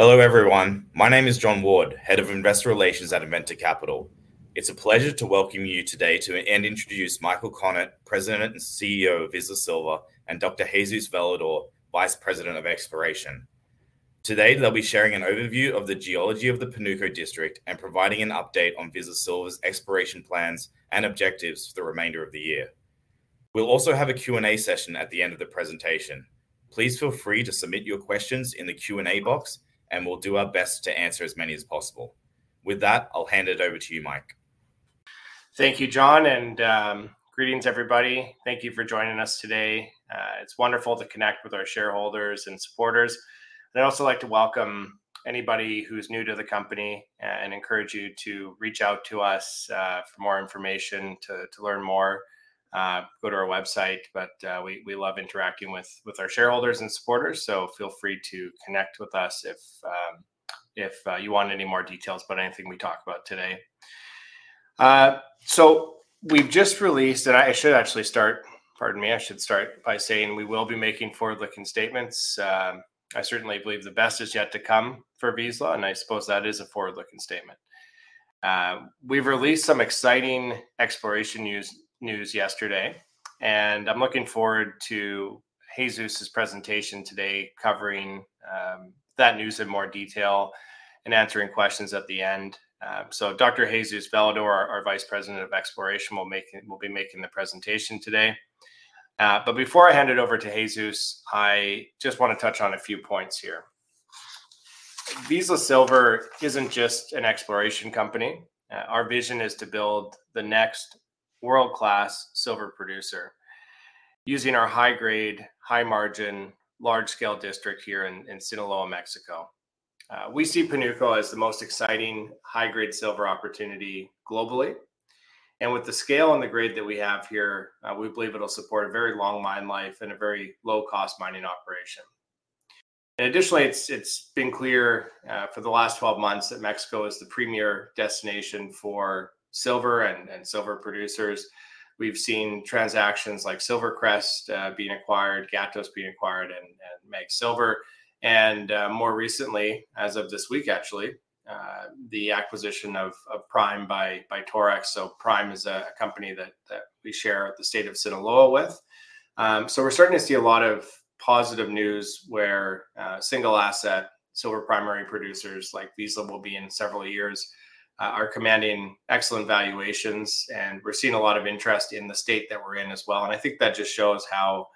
Hello everyone, my name is Jon Ward, Head of Investor Relations at Inventa Capital. It's a pleasure to welcome you today to and introduce Michael Konnert, President and CEO of Vizsla Silver, and Dr. Jesus Velador, Vice President of Exploration. Today, they'll be sharing an overview of the geology of the Panuco District and providing an update on Vizsla Silver's exploration plans and objectives for the remainder of the year. We'll also have a Q&A session at the end of the presentation. Please feel free to submit your questions in the Q&A box, and we'll do our best to answer as many as possible. With that, I'll hand it over to you, Mike. Thank you, Jon, and greetings everybody. Thank you for joining us today. It's wonderful to connect with our shareholders and supporters. I'd also like to welcome anybody who's new to the company and encourage you to reach out to us for more information, to learn more. Go to our website, but we love interacting with our shareholders and supporters, so feel free to connect with us if you want any more details about anything we talk about today. We've just released, and I should actually start, pardon me, I should start by saying we will be making forward-looking statements. I certainly believe the best is yet to come for Vizsla Silver, and I suppose that is a forward-looking statement. We've released some exciting exploration news yesterday, and I'm looking forward to Jesus's presentation today covering that news in more detail and answering questions at the end. Dr. Jesus Velador, our Vice President of Exploration, will be making the presentation today. Before I hand it over to Jesus, I just want to touch on a few points here. Vizsla Silver isn't just an exploration company. Our vision is to build the next world-class silver producer using our high-grade, high-margin, large-scale district here in Sinaloa, Mexico. We see Panuco as the most exciting high-grade silver opportunity globally, and with the scale and the grade that we have here, we believe it'll support a very long mine life and a very low-cost mining operation. Additionally, it's been clear for the last 12 months that Mexico is the premier destination for silver and silver producers. We've seen transactions like SilverCrest being acquired, Gatos being acquired, and MAG Silver, and more recently, as of this week actually, the acquisition of Prime by Torex. Prime is a company that we share the state of Sinaloa with. We're starting to see a lot of positive news where single-asset silver primary producers like Vizsla Silver will be in several years, are commanding excellent valuations, and we're seeing a lot of interest in the state that we're in as well. I think that just shows how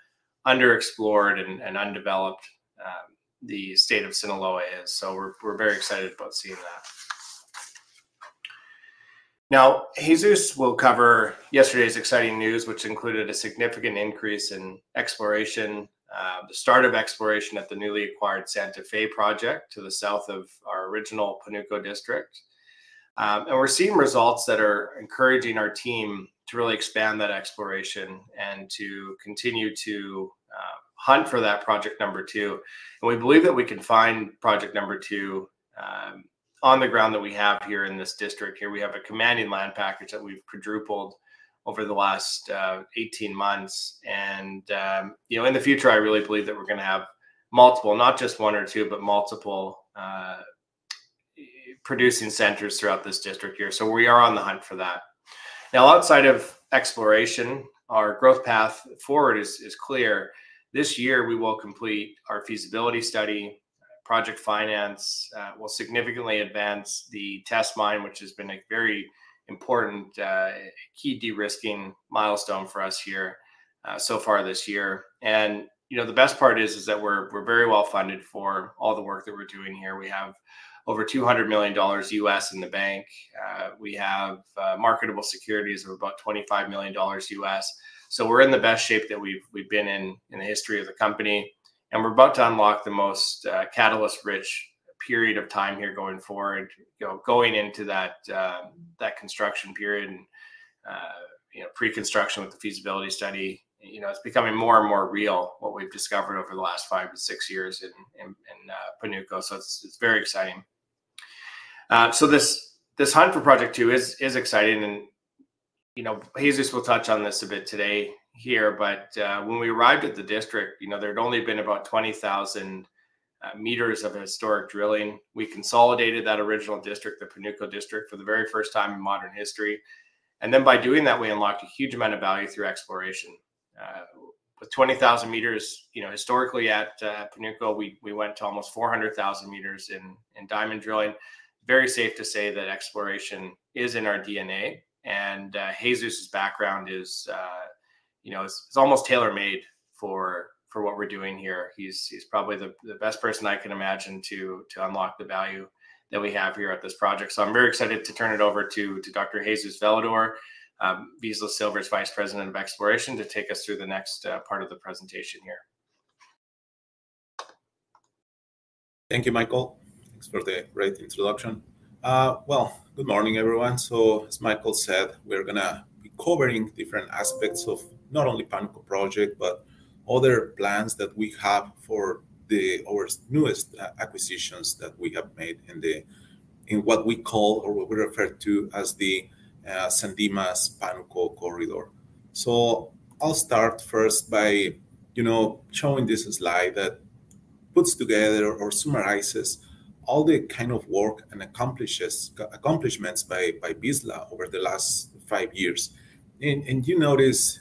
underexplored and undeveloped the state of Sinaloa is, so we're very excited about seeing that. Jesus will cover yesterday's exciting news, which included a significant increase in exploration, the start of exploration at the newly acquired Santa Fe property to the south of our original Panuco District. We're seeing results that are encouraging our team to really expand that exploration and to continue to hunt for that project number two. We believe that we can find project number two on the ground that we have here in this district. Here, we have a commanding land package that we've quadrupled over the last 18 months, and in the future, I really believe that we're going to have multiple, not just one or two, but multiple producing centers throughout this district here. We are on the hunt for that. Outside of exploration, our growth path forward is clear. This year, we will complete our Feasibility Study. Project finance will significantly advance the test mine, which has been a very important key de-risking milestone for us here so far this year. The best part is that we're very well funded for all the work that we're doing here. We have over $200 million. in the bank. We have marketable securities of about $25 million. We're in the best shape that we've been in in the history of the company, and we're about to unlock the most catalyst-rich period of time here going forward, going into that construction period, pre-construction with the Feasibility Study. It's becoming more and more real what we've discovered over the last five to six years in Panuco, so it's very exciting. This hunt for project two is exciting, and Jesus will touch on this a bit today here, but when we arrived at the district, there had only been about 20,000 meters of historic drilling. We consolidated that original district, the Panuco District, for the very first time in modern history. By doing that, we unlocked a huge amount of value through exploration. With 20,000 meters, historically at Panuco, we went to almost 400,000 meters in diamond drilling. Very safe to say that exploration is in our DNA, and Jesus's background is almost tailor-made for what we're doing here. He's probably the best person I can imagine to unlock the value that we have here at this project. I'm very excited to turn it over to Dr. Jesus Velador, Vizsla Silver's Vice President of Exploration, to take us through the next part of the presentation here. Thank you, Michael. Thanks for the great introduction. Good morning everyone. As Michael said, we're going to be covering different aspects of not only the Panuco Project, but other plans that we have for our newest acquisitions that we have made in what we call or what we refer to as the Sandimas-Panuco Corridor. I'll start first by showing this slide that puts together or summarizes all the kind of work and accomplishments by Vizsla Silver over the last five years. You notice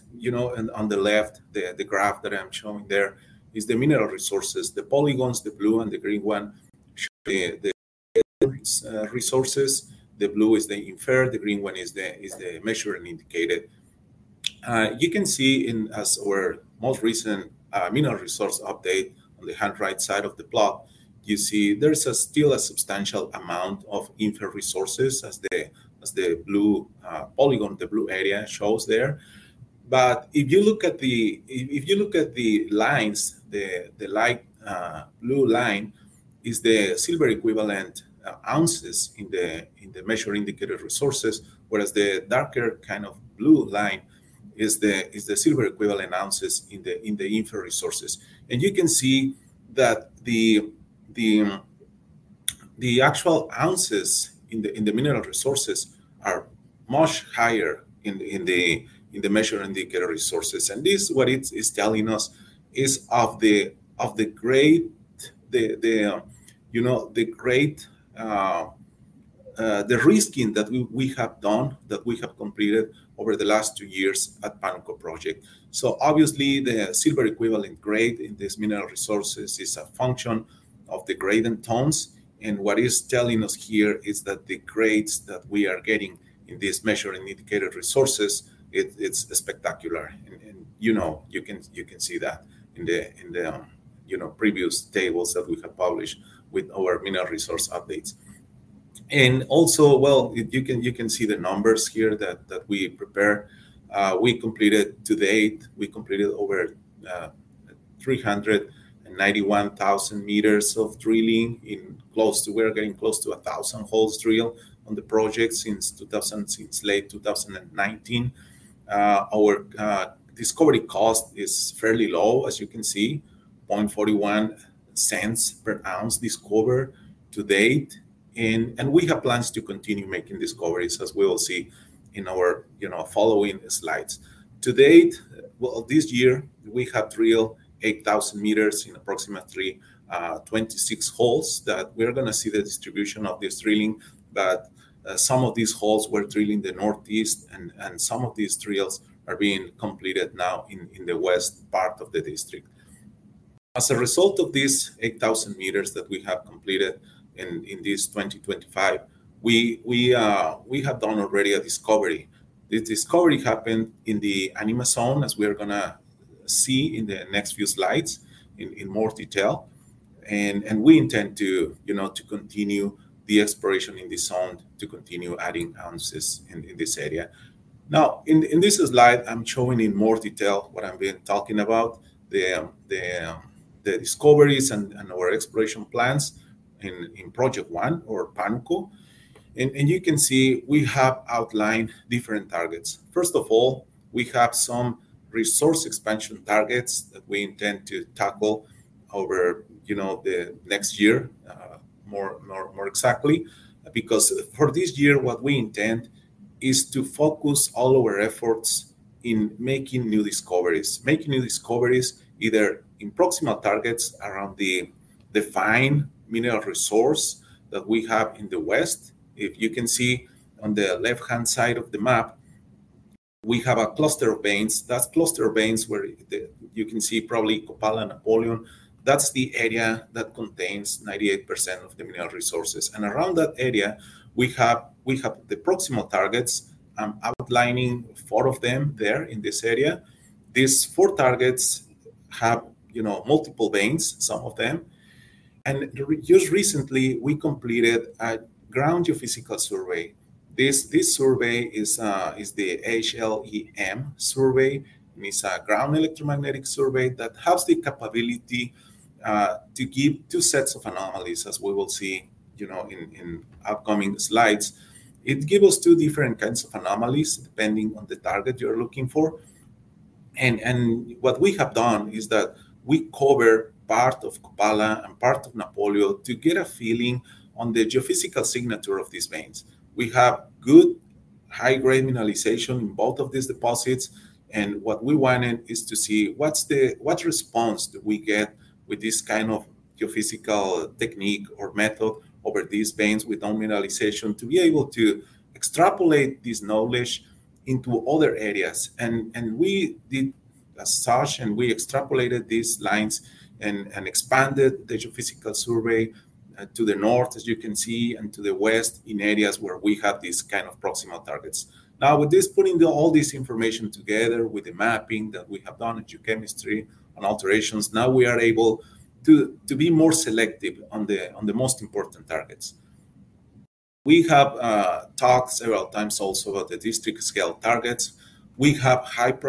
on the left, the graph that I'm showing there is the mineral resources. The polygons, the blue and the green one, should be the resources. The blue is the inferred, the green one is the measured indicated. You can see in our most recent mineral resource update on the right-hand side of the plot, you see there's still a substantial amount of inferred resources as the blue polygon, the blue area shows there. If you look at the lines, the light blue line is the silver equivalent ounces in the measured indicated resources, whereas the darker kind of blue line is the silver equivalent ounces in the inferred resources. You can see that the actual ounces in the mineral resources are much higher in the measured indicated resources. What it's telling us is of the great de-risking that we have done, that we have completed over the last two years at the Panuco Project. Obviously, the silver equivalent grade in these mineral resources is a function of the grade and tonnes. What it's telling us here is that the grades that we are getting in these measured indicated resources, it's spectacular. You can see that in the previous tables that we have published with our mineral resource updates. Also, you can see the numbers here that we prepared. We completed to date, we completed over 391,000 meters of drilling in close to, we're getting close to a thousand holes drilled on the project since late 2019. Our discovery cost is fairly low, as you can see, $0.41 per ounce discovered to date. We have plans to continue making discoveries, as we will see in our following slides. To date, this year, we have drilled 8,000 meters in approximately 26 holes that we're going to see the distribution of this drilling. Some of these holes were drilled in the northeast, and some of these drills are being completed now in the west part of the district. As a result of these 8,000 meters that we have completed in this 2025, we have done already a discovery. This discovery happened in the Animas zone, as we're going to see in the next few slides in more detail. We intend to, you know, continue the exploration in this zone to continue adding ounces in this area. Now, in this slide, I'm showing in more detail what I'm talking about, the discoveries and our exploration plans in project one or Panuco. You can see we have outlined different targets. First of all, we have some resource expansion targets that we intend to tackle over, you know, the next year, more exactly. For this year, what we intend is to focus all of our efforts in making new discoveries, making new discoveries either in proximal targets around the fine mineral resource that we have in the west. If you can see on the left-hand side of the map, we have a cluster of veins. That cluster of veins where you can see probably Copala and Napoleon. That's the area that contains 98% of the mineral resources. Around that area, we have the proximal targets. I'm outlining four of them there in this area. These four targets have, you know, multiple veins, some of them. Just recently, we completed a ground geophysical survey. This survey is the HLEM survey. It's a ground electromagnetic survey that has the capability to give two sets of anomalies, as we will see, you know, in upcoming slides. It gives us two different kinds of anomalies depending on the target you're looking for. What we have done is that we cover part of Copala and part of Napoleon to get a feeling on the geophysical signature of these veins. We have good high-grade mineralization in both of these deposits. What we wanted is to see what's the response that we get with this kind of geophysical technique or method over these veins with mineralization to be able to extrapolate this knowledge into other areas. We did as such, and we extrapolated these lines and expanded the geophysical survey to the north, as you can see, and to the west in areas where we have these kinds of proximal targets. Now, with this, putting all this information together with the mapping that we have done in geochemistry and alterations, now we are able to be more selective on the most important targets. We have talked several times also about the district scale targets. We have five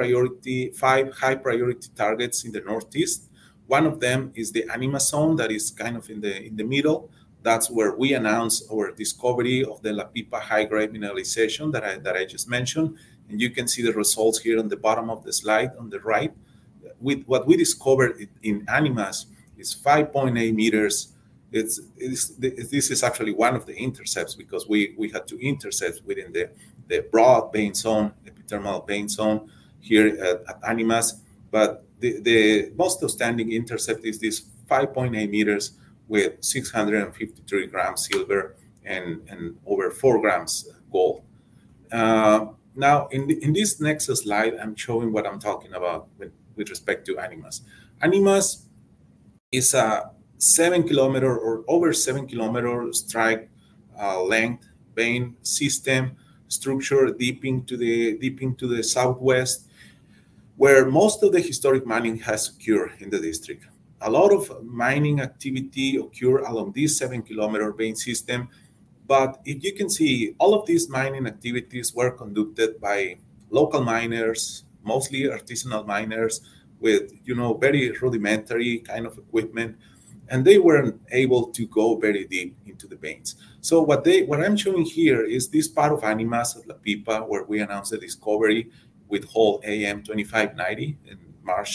high-priority targets in the northeast. One of them is the Animas zone that is kind of in the middle. That's where we announced our discovery of the La Pipa high-grade mineralization that I just mentioned. You can see the results here on the bottom of the slide on the right. What we discovered in Animas is 5.8 meters. This is actually one of the intercepts because we had two intercepts within the broad vein zone, epithermal vein zone here at Animas. The most outstanding intercept is this 5.8 meters with 653 grams silver and over 4 grams gold. In this next slide, I'm showing what I'm talking about with respect to Animas. Animas is a seven-kilometer or over seven-kilometer strike length vein system structure deep into the southwest, where most of the historic mining has occurred in the district. A lot of mining activity occurred along this 7 km vein system. If you can see, all of these mining activities were conducted by local miners, mostly artisanal miners with very rudimentary kind of equipment. They weren't able to go very deep into the veins. What I'm showing here is this part of Animas, La Pipa, where we announced the discovery with hole AM2590 in March,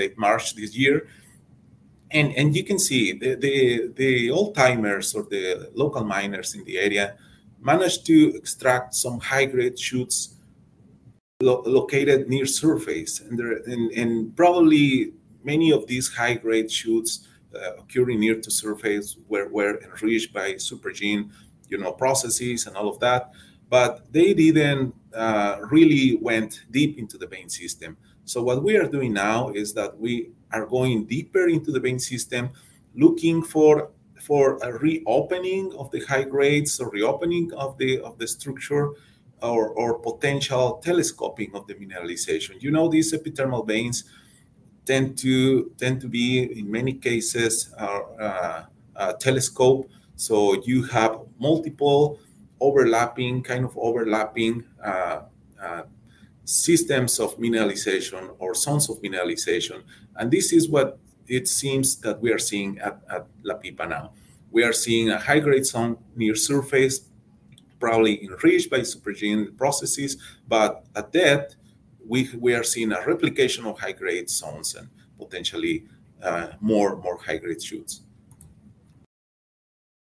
late March this year. You can see the old-timers or the local miners in the area managed to extract some high-grade chutes located near surface. Probably many of these high-grade chutes occurring near to surface were enriched by supergene processes and all of that. They didn't really go deep into the vein system. What we are doing now is that we are going deeper into the vein system, looking for a reopening of the high-grade or reopening of the structure or potential telescoping of the mineralization. These epithermal veins tend to be, in many cases, telescoped. You have multiple overlapping, kind of overlapping systems of mineralization or zones of mineralization. This is what it seems that we are seeing at La Pipa now. We are seeing a high-grade zone near surface, probably enriched by supergene processes. At depth, we are seeing a replication of high-grade zones and potentially more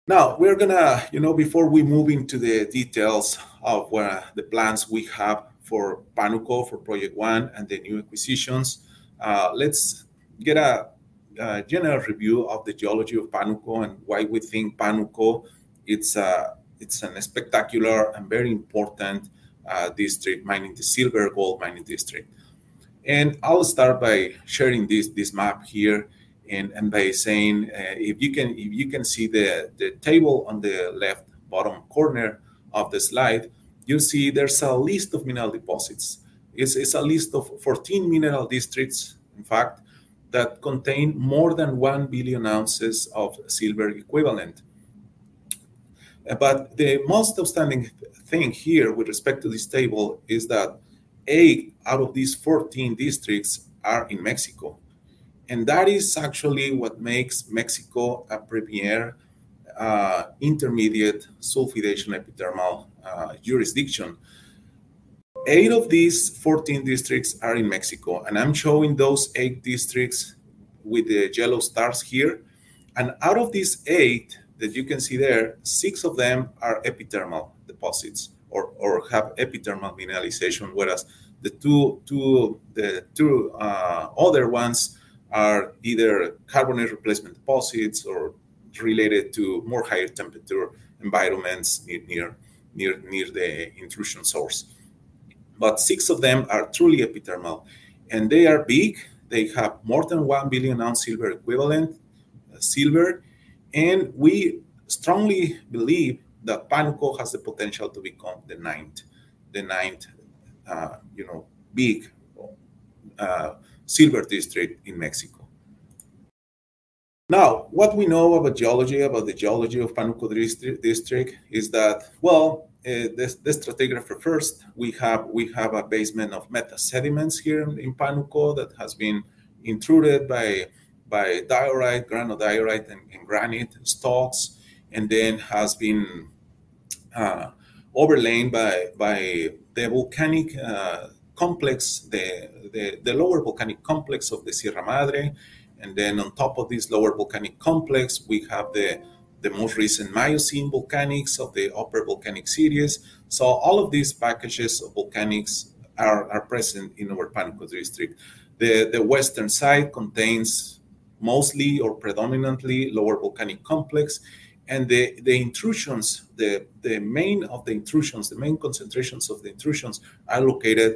high-grade chutes. Before we move into the details of the plans we have for Panuco, for project one and the new acquisitions, let's get a general review of the geology of Panuco and why we think Panuco is a spectacular and very important district mining, the silver gold mining district. I'll start by sharing this map here and by saying, if you can see the table on the left bottom corner of the slide, you'll see there's a list of mineral deposits. It's a list of 14 mineral districts, in fact, that contain more than 1 billion ounces of silver equivalent. The most outstanding thing here with respect to this table is that eight out of these 14 districts are in Mexico. That is actually what makes Mexico a premier intermediate sulfidation epithermal jurisdiction. Eight of these 14 districts are in Mexico, and I'm showing those eight districts with the yellow stars here. Out of these eight that you can see there, six of them are epithermal deposits or have epithermal mineralization, whereas the two other ones are either carbonate replacement deposits or related to more higher temperature environments near the intrusion source. Six of them are truly epithermal, and they are big. They have more than 1 billion ounce silver equivalent silver. We strongly believe that Panuco has the potential to become the ninth big silver district in Mexico. What we know about the geology of Panuco District is that this stratigraphy refers to, we have a basement of metasediments here in Panuco that has been intruded by diorite, granodiorite, and granite stocks, and then has been overlaid by the volcanic complex, the lower volcanic complex of the Sierra Madre. On top of this lower volcanic complex, we have the most recent Miocene volcanics of the upper volcanic series. All of these packages of volcanics are present in our Panuco District. The western side contains mostly or predominantly lower volcanic complex. The main concentrations of the intrusions are located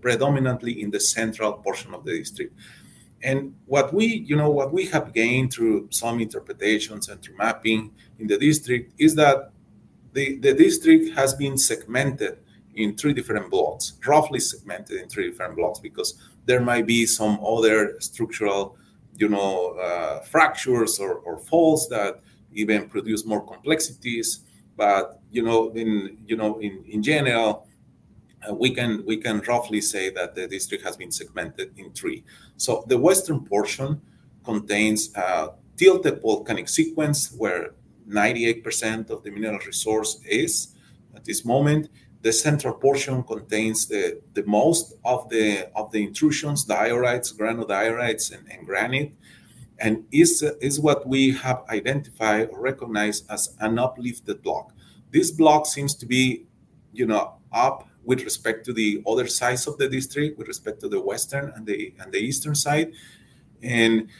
predominantly in the central portion of the district. Through some interpretations and through mapping in the district, we have gained that the district has been segmented in three different blocks, roughly segmented in three different blocks because there might be some other structural fractures or faults that even produce more complexities. In general, we can roughly say that the district has been segmented in three. The western portion contains a tilted volcanic sequence where 98% of the mineral resource is at this moment. The central portion contains most of the intrusions, diorites, granodiorites, and granite. It is what we have identified or recognized as an uplifted block. This block seems to be up with respect to the other sides of the district, with respect to the western and the eastern side. On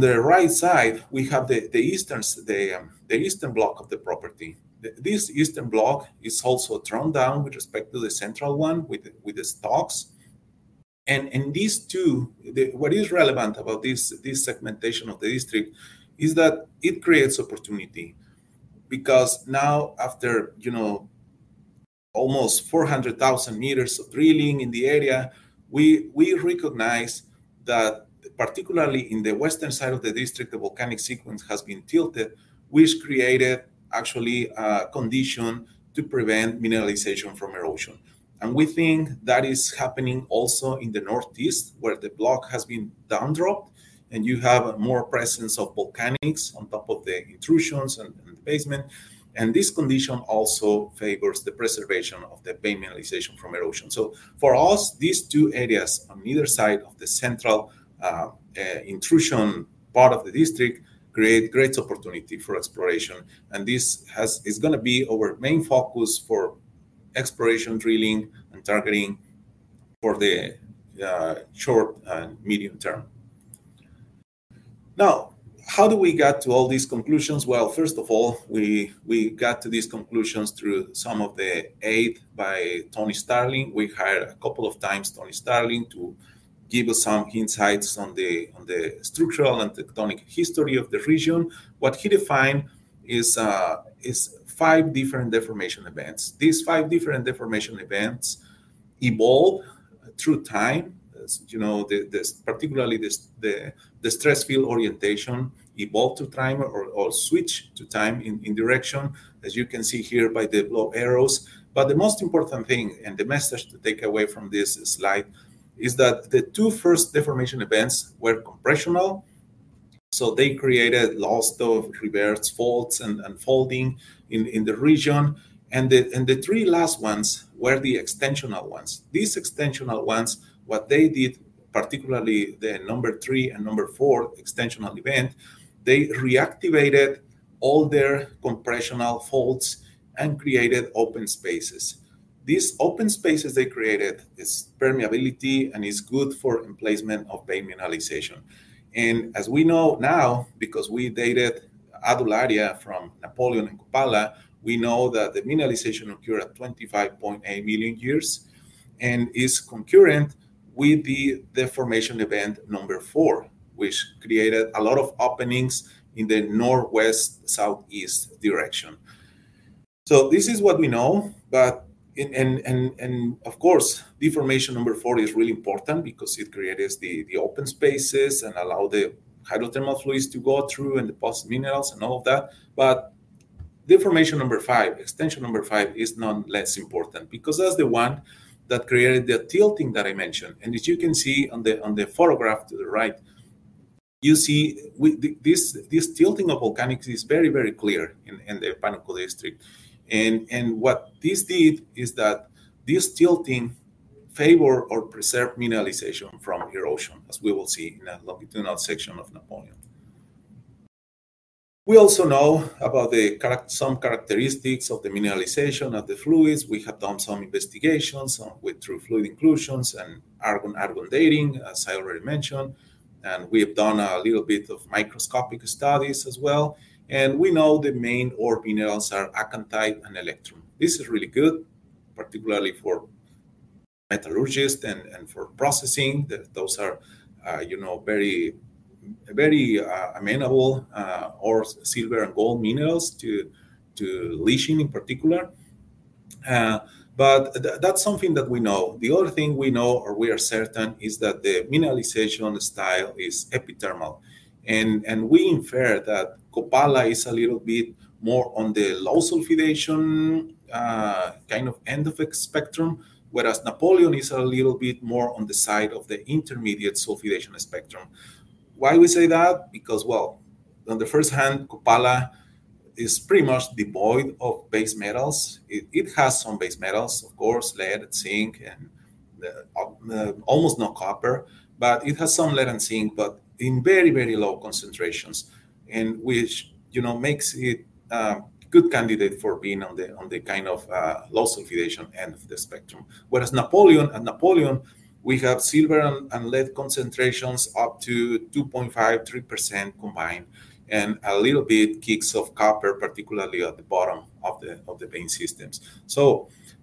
the right side, we have the eastern block of the property. This eastern block is also turned down with respect to the central one with the stocks. What is relevant about this segmentation of the district is that it creates opportunity because now after almost 400,000 meters of drilling in the area, we recognize that particularly in the western side of the district, the volcanic sequence has been tilted, which created actually a condition to prevent mineralization from erosion. We think that is happening also in the northeast where the block has been downdropped, and you have more presence of volcanics on top of the intrusions and the basement. This condition also favors the preservation of the mineralization from erosion. For us, these two areas on either side of the central intrusion part of the district create great opportunity for exploration. This is going to be our main focus for exploration, drilling, and targeting for the short and medium term. How do we get to all these conclusions? First of all, we got to these conclusions through some of the aid by Tony Sterling. We hired a couple of times Tony Sterling to give us some insights on the structural and tectonic history of the region. What he defined is five different deformation events. These five different deformation events evolve through time. Particularly the stress-field orientation evolves through time or switches to time in direction, as you can see here by the blue arrows. The most important thing and the message to take away from this slide is that the two first deformation events were compressional. They created lots of reverse faults and folding in the region. The three last ones were the extensional ones. These extensional ones, what they did, particularly the number three and number four extensional event, they reactivated all their compressional faults and created open spaces. These open spaces they created, this permeability is good for the placement of mineralization. As we know now, because we dated adularia from Napoleon and Copala, we know that mineralization occurred at 25.8 million years and is concurrent with the deformation event number four, which created a lot of openings in the northwest-southeast direction. This is what we know. Of course, deformation number four is really important because it created the open spaces and allowed the hydrothermal fluids to go through and deposit minerals and all of that. Deformation number five, extension number five, is not less important because that's the one that created the tilting that I mentioned. As you can see on the photograph to the right, you see this tilting of volcanics is very, very clear in the Panuco District. What this did is that this tilting favored or preserved mineralization from erosion, as we will see in that longitudinal section of Napoleon. We also know about some characteristics of the mineralization of the fluids. We have done some investigations, went through fluid inclusions and argon dating, as I already mentioned. We have done a little bit of microscopic studies as well. We know the main ore minerals are acanthite and electrum. This is really good, particularly for metallurgists and for processing. Those are very, very amenable or silver and gold minerals to leaching in particular. That's something that we know. The other thing we know or we are certain is that the mineralization style is epithermal. We infer that Copala is a little bit more on the low sulfidation kind of end of the spectrum, whereas Napoleon is a little bit more on the side of the intermediate sulfidation spectrum. Why do we say that? On the first hand, Copala is pretty much devoid of base metals. It has some base metals, of course, lead, zinc, and almost no copper. It has some lead and zinc, but in very, very low concentrations, which makes it a good candidate for being on the kind of low sulfidation end of the spectrum. Whereas at Napoleon, we have silver and lead concentrations up to 2.5%-3% combined, and a little bit kicks off copper, particularly at the bottom of the vein systems.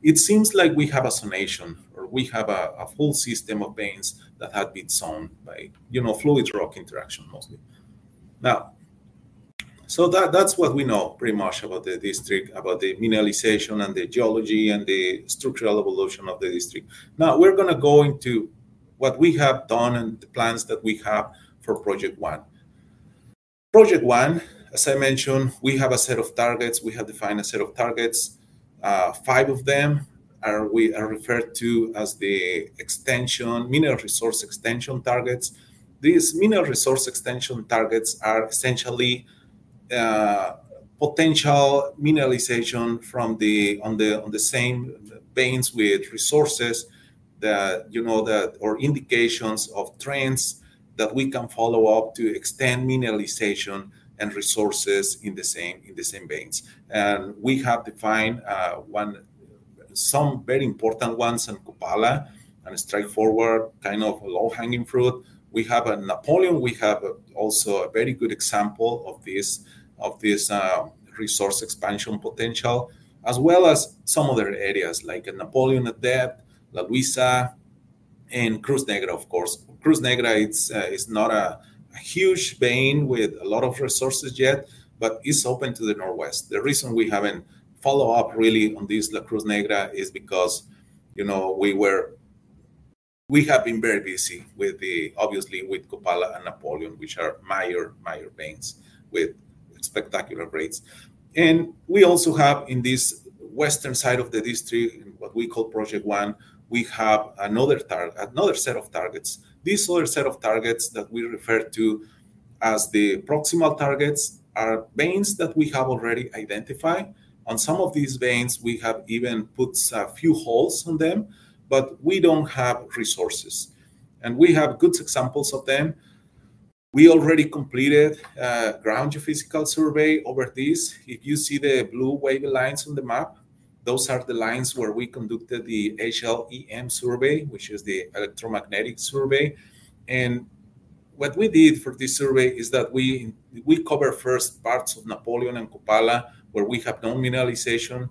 It seems like we have a zonation, or we have a full system of veins that have been zoned by fluid-rock interaction mostly. That's what we know pretty much about the district, about the mineralization and the geology and the structural evolution of the district. Now, we're going to go into what we have done and the plans that we have for project one. Project one, as I mentioned, we have a set of targets. We have defined a set of targets. Five of them are referred to as the extension, mineral resource extension targets. These mineral resource extension targets are essentially potential mineralization from the same veins with resources that, you know, or indications of trends that we can follow up to extend mineralization and resources in the same veins. We have defined some very important ones in Copala and straightforward kind of low-hanging fruit. We have a Napoleon. We have also a very good example of this resource expansion potential, as well as some other areas like Napoleon at depth, La Luisa, and Cruz Negra, of course. Cruz Negra is not a huge vein with a lot of resources yet, but it's open to the northwest. The reason we haven't followed up really on this Cruz Negra is because, you know, we have been very busy with, obviously, with Copala and Napoleon, which are major veins with spectacular grades. We also have in this western side of the district, in what we call project one, another set of targets. This other set of targets that we refer to as the proximal targets are veins that we have already identified. On some of these veins, we have even put a few holes on them, but we don't have resources. We have good examples of them. We already completed a ground geophysical survey over this. If you see the blue wavy lines on the map, those are the lines where we conducted the ground horizontal-loop EM survey, which is the electromagnetic survey. What we did for this survey is that we covered first parts of Napoleon and Copala, where we have no mineralization,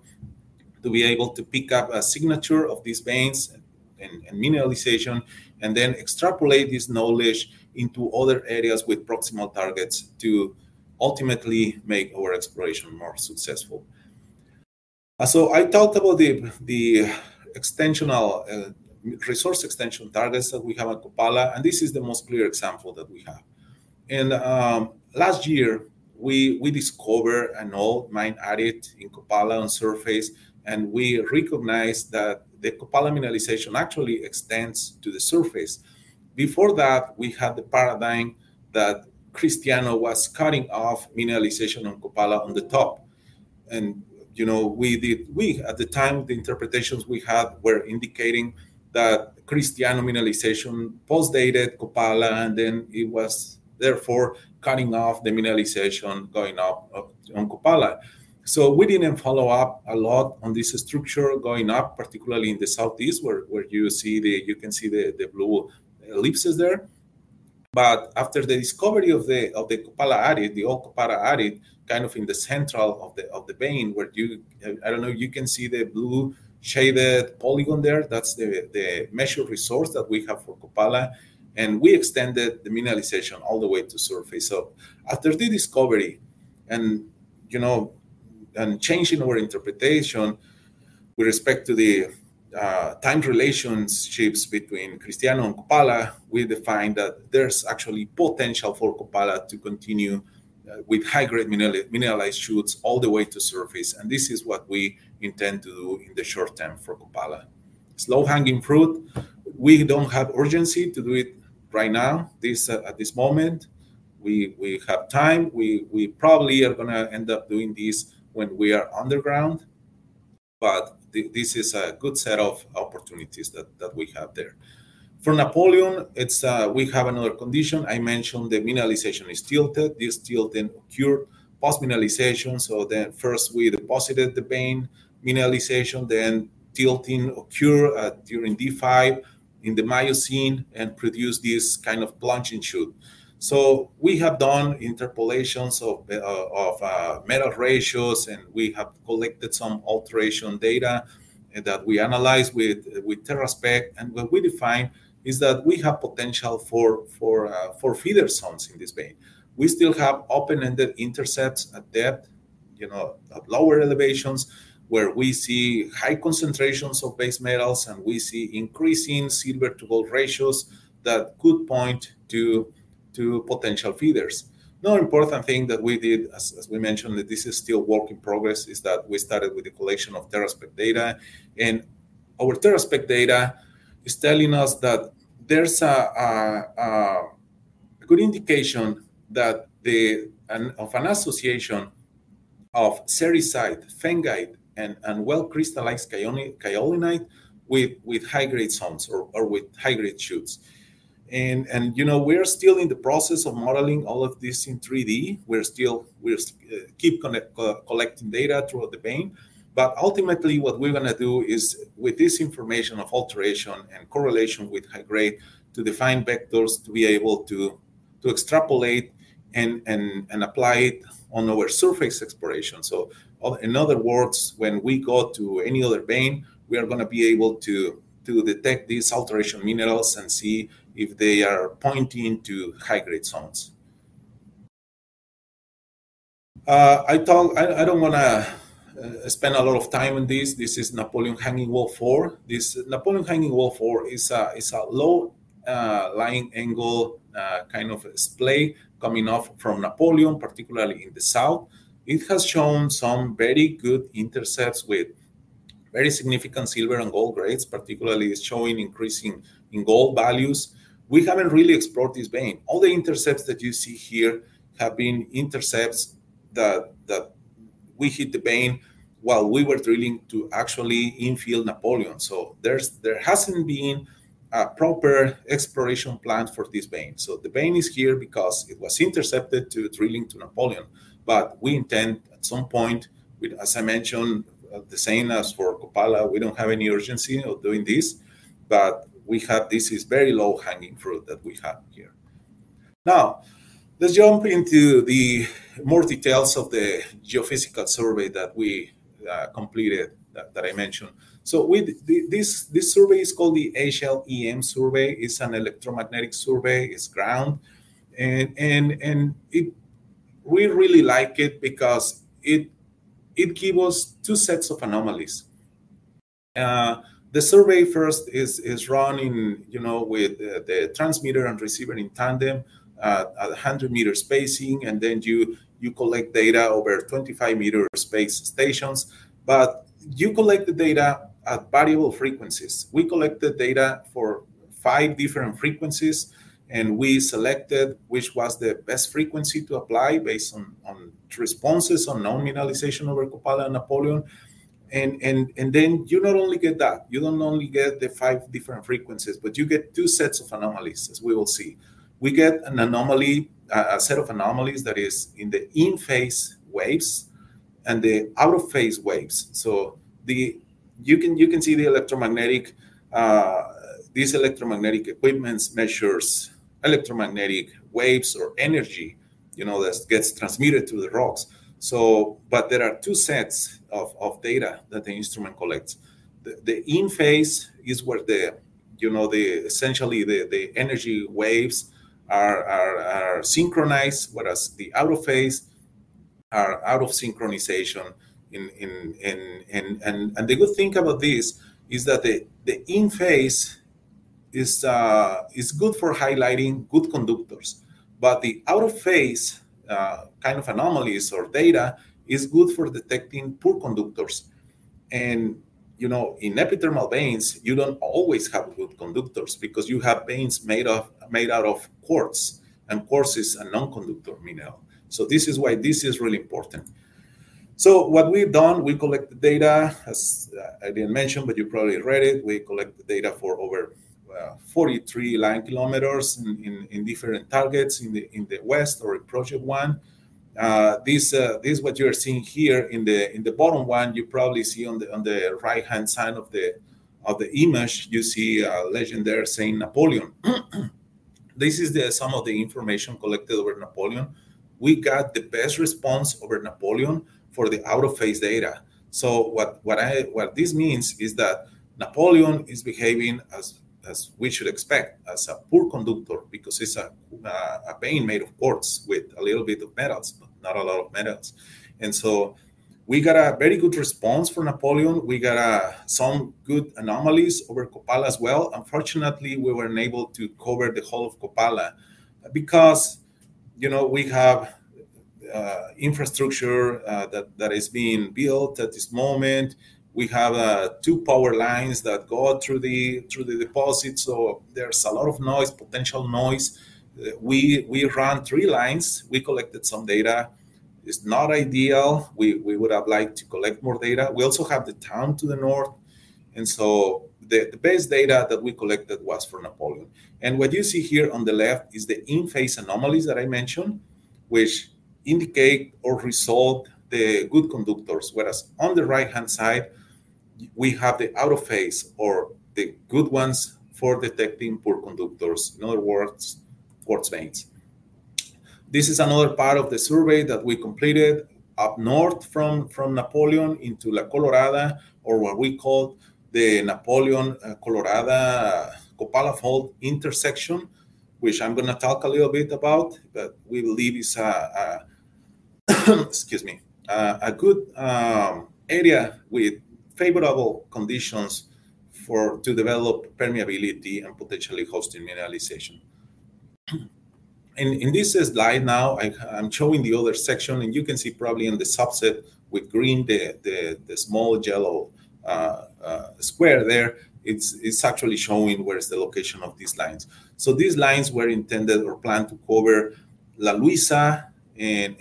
to be able to pick up a signature of these veins and mineralization, and then extrapolate this knowledge into other areas with proximal targets to ultimately make our exploration more successful. I talked about the resource extension targets that we have at Copala, and this is the most clear example that we have. Last year, we discovered an old mine adit in Copala on surface, and we recognized that the Copala mineralization actually extends to the surface. Before that, we had the paradigm that Cristiano was cutting off mineralization on Copala on the top. We did, at the time, the interpretations we had were indicating that Cristiano mineralization postdated Copala, and it was therefore cutting off the mineralization going up on Copala. We didn't follow up a lot on this structure going up, particularly in the southeast, where you can see the blue ellipses there. After the discovery of the Copala adit, the old Copala adit kind of in the central of the vein, you can see the blue shaded polygon there. That's the measured resource that we have for Copala. We extended the mineralization all the way to surface. After the discovery and changing our interpretation with respect to the time relationships between Cristiano and Copala, we defined that there's actually potential for Copala to continue with high-grade mineralized chutes all the way to surface. This is what we intend to do in the short term for Copala. It's low-hanging fruit. We don't have urgency to do it right now. At this moment, we have time. We probably are going to end up doing this when we are underground. This is a good set of opportunities that we have there. For Napoleon, we have another condition. I mentioned the mineralization is tilted. This tilting occurred post-mineralization. First we deposited the vein, mineralization, then tilting occurred during D5 in the Miocene and produced this kind of plunging chute. We have done interpolations of metal ratios, and we have collected some alteration data that we analyzed with TerraSpec. What we defined is that we have potential for feeder zones in this vein. We still have open-ended intercepts at depth, at lower elevations where we see high concentrations of base metals, and we see increasing silver to gold ratios that could point to potential feeders. Another important thing that we did, as we mentioned, that this is still a work in progress, is that we started with the collection of TerraSpec data. Our TerraSpec data is telling us that there's a good indication of an association of cerussite, phengite, and well-crystallized kaolinite with high-grade zones or with high-grade chutes. We're still in the process of modeling all of this in 3D. We're still collecting data throughout the vein. Ultimately, what we're going to do is with this information of alteration and correlation with high-grade to define vectors to be able to extrapolate and apply it on our surface exploration. In other words, when we go to any other vein, we are going to be able to detect these alteration minerals and see if they are pointing to high-grade zones. I don't want to spend a lot of time on this. This is Napoleon Hanging Wall 4. This Napoleon Hanging Wall 4 is a low line angle kind of splay coming off from Napoleon, particularly in the south. It has shown some very good intercepts with very significant silver and gold grades, particularly showing increasing gold values. We haven't really explored this vein. All the intercepts that you see here have been intercepts that we hit the vein while we were drilling to actually infield Napoleon. There hasn't been a proper exploration plan for this vein. The vein is here because it was intercepted through drilling to Napoleon. We intend at some point, as I mentioned, the same as for Copala, we don't have any urgency of doing this. This is very low hanging fruit that we have here. Now, let's jump into the more details of the geophysical survey that we completed that I mentioned. This survey is called the HLEM survey. It's an electromagnetic survey. It's ground, and we really like it because it gives us two sets of anomalies. The survey first is running with the transmitter and receiver in tandem at 100 meter spacing, and then you collect data over 25 meter space stations. You collect the data at variable frequencies. We collected data for five different frequencies, and we selected which was the best frequency to apply based on responses on known mineralization over Copala and Napoleon. You not only get that, you don't only get the five different frequencies, but you get two sets of anomalies, as we will see. We get a set of anomalies that is in the in-phase waves and the out-of-phase waves. You can see the electromagnetic, these electromagnetic equipments measure electromagnetic waves or energy that gets transmitted to the rocks. There are two sets of data that the instrument collects. The in-phase is where essentially the energy waves are synchronized, whereas the out-of-phase are out of synchronization. The good thing about this is that the in-phase is good for highlighting good conductors. The out-of-phase kind of anomalies or data is good for detecting poor conductors. In epithermal veins, you don't always have good conductors because you have veins made out of quartz, and quartz is a non-conductor mineral. This is why this is really important. What we've done, we collect the data, as I didn't mention, but you probably read it. We collect the data for over 43 line kilometers in different targets in the west or in project one. This is what you're seeing here. In the bottom one, you probably see on the right-hand side of the image, you see a legend there saying Napoleon. This is some of the information collected over Napoleon. We got the best response over Napoleon for the out-of-phase data. What this means is that Napoleon is behaving as we should expect, as a poor conductor because it's a vein made of quartz with a little bit of metals, but not a lot of metals. We got a very good response for Napoleon. We got some good anomalies over Copala as well. Unfortunately, we weren't able to cover the whole of Copala because we have infrastructure that is being built at this moment. We have two power lines that go through the deposit, so there's a lot of noise, potential noise. We ran three lines. We collected some data. It's not ideal. We would have liked to collect more data. We also have the town to the north. The best data that we collected was for Napoleon. What you see here on the left is the in-phase anomalies that I mentioned, which indicate or resolve the good conductors. On the right-hand side, we have the out-of-phase or the good ones for detecting poor conductors. In other words, quartz veins. This is another part of the survey that we completed up north from Napoleon into La Colorada, or what we call the Napoleon-Colorada-Copala fault intersection, which I'm going to talk a little bit about. We believe it's a, excuse me, a good area with favorable conditions to develop permeability and potentially hosting mineralization. In this slide now, I'm showing the other section, and you can see probably in the subset with green, the small yellow square there. It's actually showing where's the location of these lines. These lines were intended or planned to cover La Luisa and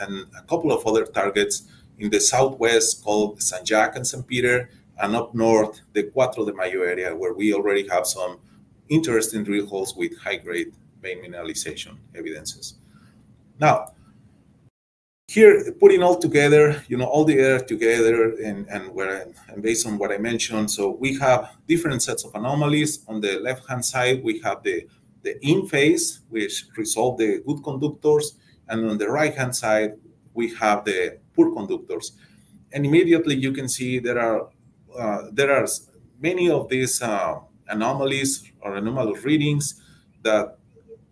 a couple of other targets in the southwest called St. Jack and St. Peter, and up north, the Cuatro de Mayo area, where we already have some interesting drill holes with high-grade vein mineralization evidences. Now, here, putting all together, you know, all the air together and based on what I mentioned. We have different sets of anomalies. On the left-hand side, we have the in-phase, which resolved the good conductors. On the right-hand side, we have the poor conductors. Immediately, you can see there are many of these anomalies or anomalous readings that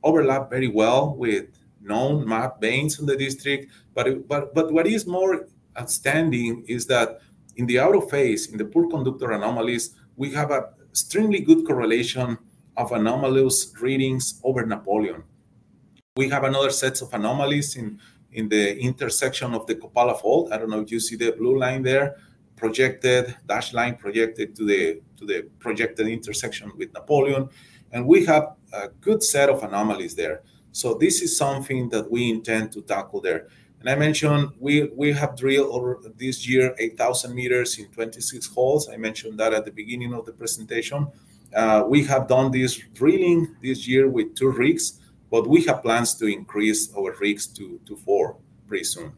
overlap very well with known mapped veins in the district. What is more outstanding is that in the out-of-phase, in the poor conductor anomalies, we have an extremely good correlation of anomalous readings over Napoleon. We have another set of anomalies in the intersection of the Copala fault. I don't know if you see the blue line there, projected, dashed line projected to the projected intersection with Napoleon. We have a good set of anomalies there. This is something that we intend to tackle there. I mentioned we have drilled over this year 8,000 meters in 26 holes. I mentioned that at the beginning of the presentation. We have done this drilling this year with two rigs, but we have plans to increase our rigs to four very soon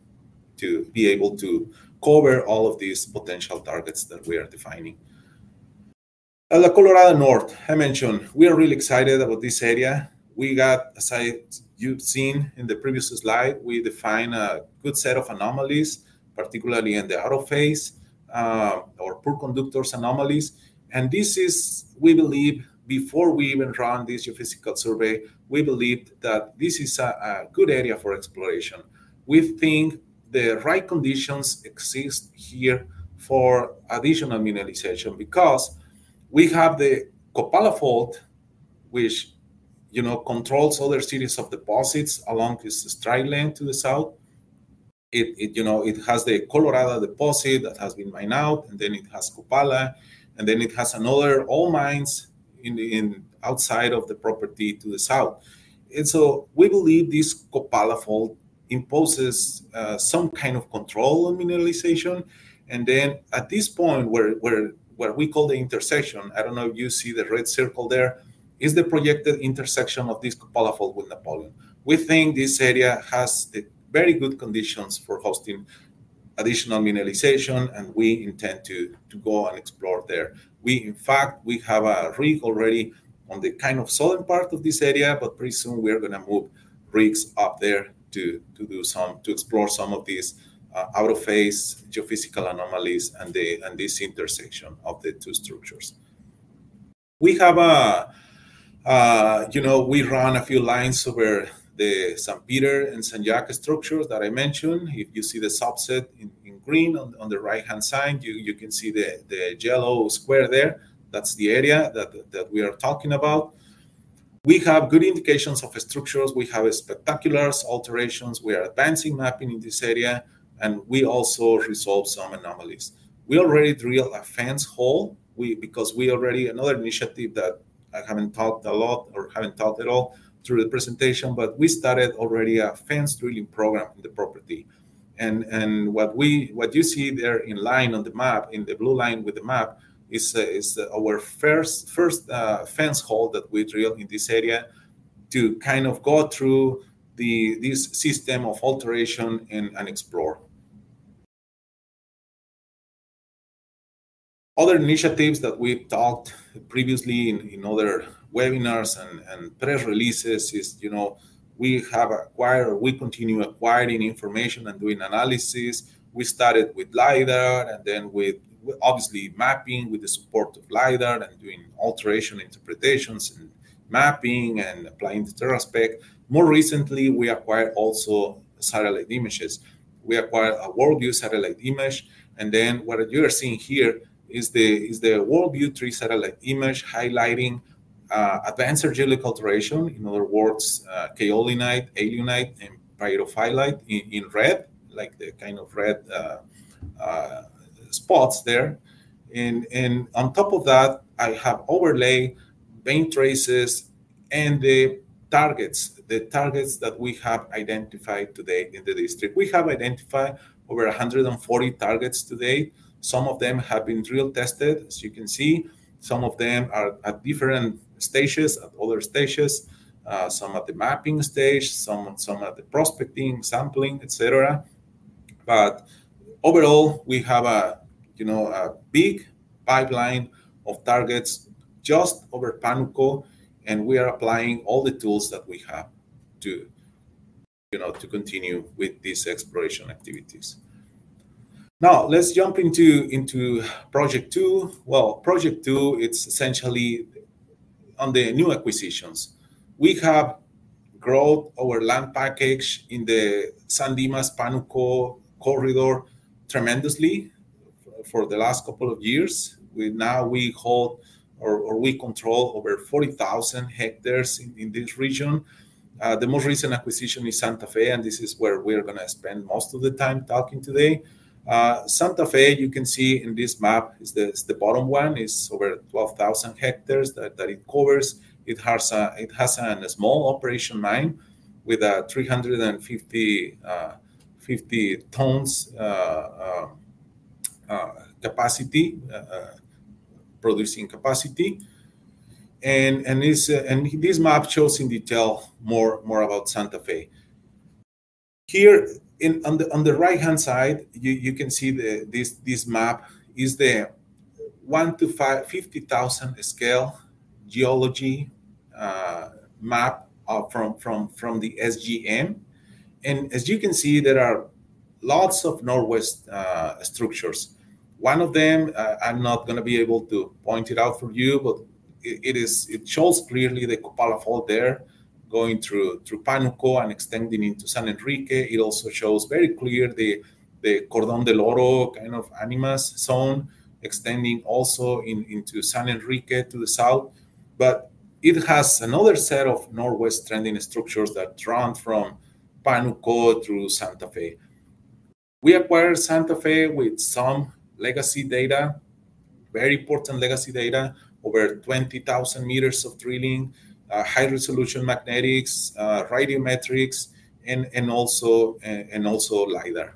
to be able to cover all of these potential targets that we are defining. La Colorada north, I mentioned, we are really excited about this area. We got, as you've seen in the previous slide, we define a good set of anomalies, particularly in the out-of-phase, our poor conductors anomalies. We believe, before we even run this geophysical survey, we believe that this is a good area for exploration. We think the right conditions exist here for additional mineralization because we have the Copala fault, which controls other series of deposits along this stride length to the south. It has the Colorada deposit that has been mined out, and then it has Copala, and then it has another all mines outside of the property to the south. We believe this Copala fault imposes some kind of control on mineralization. At this point, where we call the intersection, I don't know if you see the red circle there, is the projected intersection of this Copala fault with Napoleon. We think this area has very good conditions for hosting additional mineralization, and we intend to go and explore there. In fact, we have a rig already on the kind of southern part of this area, but pretty soon we're going to move rigs up there to explore some of these out-of-phase geophysical anomalies and this intersection of the two structures. We run a few lines over the St. Peter and St. Jack structure that I mentioned. If you see the subset in green on the right-hand side, you can see the yellow square there. That's the area that we are talking about. We have good indications of structures. We have spectacular alterations. We are advancing mapping in this area, and we also resolve some anomalies. We already drilled a fence hole because another initiative that I haven't talked a lot or haven't talked at all through the presentation, but we started already a fence drilling program in the property. What you see there in line on the map, in the blue line with the map, is our first fence hole that we drilled in this area to go through this system of alteration and explore. Other initiatives that we've talked previously in other webinars and press releases is, we have acquired, we continue acquiring information and doing analysis. We started with LiDAR and then with obviously mapping with the support of LiDAR and doing alteration interpretations and mapping and applying the TerraSpec. More recently, we acquired also satellite images. We acquired a WorldView satellite image. What you're seeing here is the WorldView 3 satellite image highlighting advanced surgical alteration, in other words, kaolinite, alunite, and pyrophyllite in red, like the kind of red spots there. On top of that, I have overlay vein traces and the targets, the targets that we have identified today in the district. We have identified over 140 targets today. Some of them have been drill tested, as you can see. Some of them are at different stages, at other stages, some at the mapping stage, some at the prospecting, sampling, etc. Overall, we have a big pipeline of targets just over Panuco, and we are applying all the tools that we have to continue with these exploration activities. Now, let's jump into project two. Project two is essentially on the new acquisitions. We have grown our land package in the Sandimas-Panuco Corridor tremendously for the last couple of years. Now we hold or we control over 40,000 hectares in this region. The most recent acquisition is Santa Fe, and this is where we're going to spend most of the time talking today. Santa Fe, you can see in this map, is the bottom one. It's over 12,000 hectares that it covers. It has a small operation mine with a 350 tons producing capacity. This map shows in detail more about Santa Fe. Here, on the right-hand side, you can see this map is the 1:50,000 scale geology map from the SGM. As you can see, there are lots of northwest structures. One of them, I'm not going to be able to point it out for you, but it shows clearly the Copala fault there going through Panuco and extending into San Enrique. It also shows very clearly the Cordón de Loro kind of Animas zone extending also into San Enrique to the south. It has another set of northwest trending structures that run from Panuco through Santa Fe. We acquired Santa Fe with some legacy data, very important legacy data, over 20,000 meters of drilling, high-resolution magnetics, radiometrics, and also LiDAR.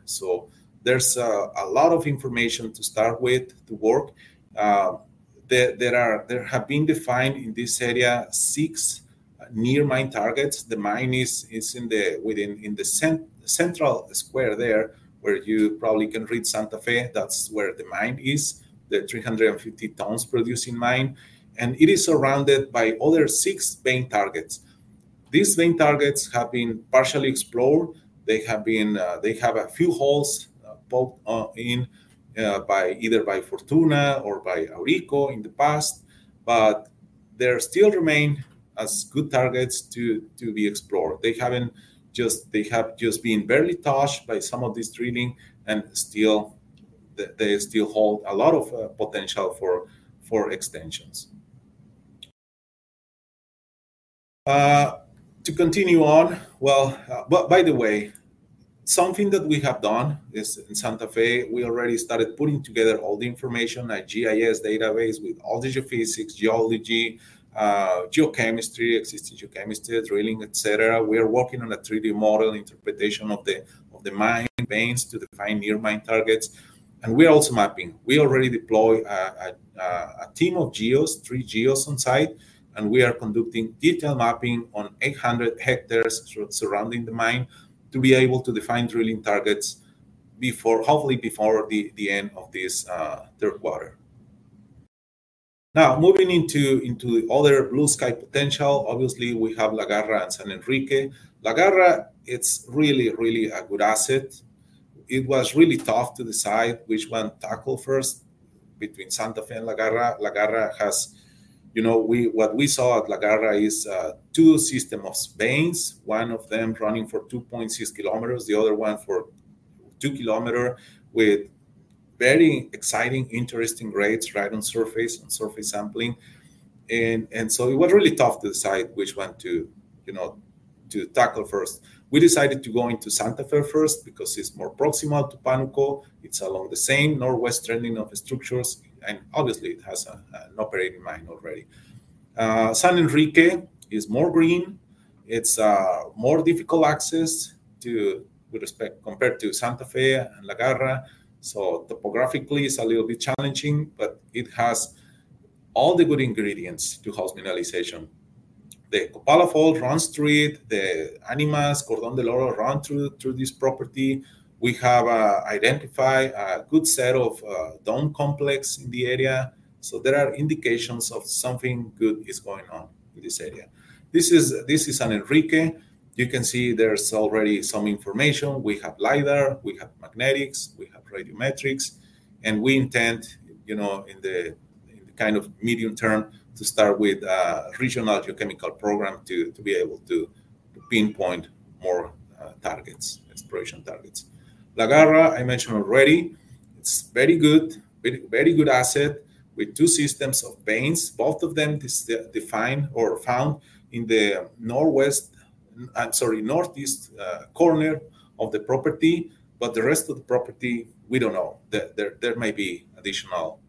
There's a lot of information to start with to work. There have been defined in this area six near mine targets. The mine is in the central square there where you probably can read Santa Fe. That's where the mine is, the 350 tons producing mine. It is surrounded by other six vein targets. These vein targets have been partially explored. They have a few holes in by either by Fortuna or by Aurico in the past. They still remain as good targets to be explored. They have just been barely touched by some of this drilling and still, they still hold a lot of potential for extensions. To continue on, something that we have done is in Santa Fe, we already started putting together all the information at GIS database with all the geophysics, geology, geochemistry, existing geochemistry, drilling, etc. We are working on a 3D model interpretation of the mine veins to define near mine targets. We're also mapping. We already deployed a team of geos, three geos on site, and we are conducting detailed mapping on 800 hectares surrounding the mine to be able to define drilling targets before, hopefully before the end of this third quarter. Now, moving into the other blue sky potential, obviously we have La Garra and San Enrique. La Garra, it's really, really a good asset. It was really tough to decide which one to tackle first between Santa Fe and La Garra. La Garra has, you know, what we saw at La Garra is two systems of veins, one of them running for 2.6 km, the other one for 2 km with very exciting, interesting grades right on surface and surface sampling. It was really tough to decide which one to, you know, to tackle first. We decided to go into Santa Fe first because it's more proximal to Panuco. It's a lot of the same northwest trending of structures, and obviously it has an operating mine already. San Enrique is more green. It's more difficult access to, with respect compared to Santa Fe and La Garra. Topographically, it's a little bit challenging, but it has all the good ingredients to host mineralization. The Copala fault runs through it. The Animas, Cordón de Loro runs through this property. We have identified a good set of dome complexes in the area. There are indications of something good is going on in this area. This is San Enrique. You can see there's already some information. We have LiDAR. We have magnetics. We have radiometrics. We intend, you know, in the kind of medium term to start with a regional geochemical program to be able to pinpoint more targets, exploration targets. La Garra, I mentioned already, it's very good, very good asset with two systems of veins. Both of them are defined or found in the northeast corner of the property. The rest of the property, we don't know. There might be additional,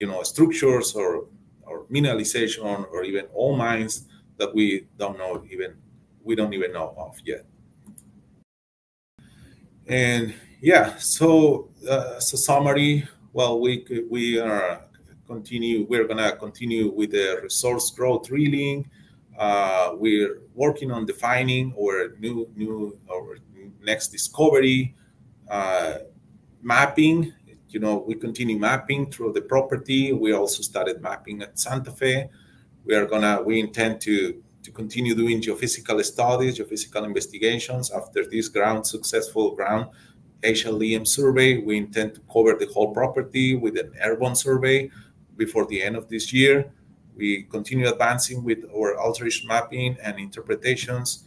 you know, structures or mineralization or even old mines that we don't even know of yet. As a summary, we are continuing, we're going to continue with the resource growth drilling. We're working on defining or new or next discovery mapping. You know, we continue mapping through the property. We also started mapping at Santa Fe. We are going to, we intend to continue doing geophysical studies, geophysical investigations after this successful ground horizontal-loop EM survey. We intend to cover the whole property with an airborne survey before the end of this year. We continue advancing with our alteration mapping and interpretations.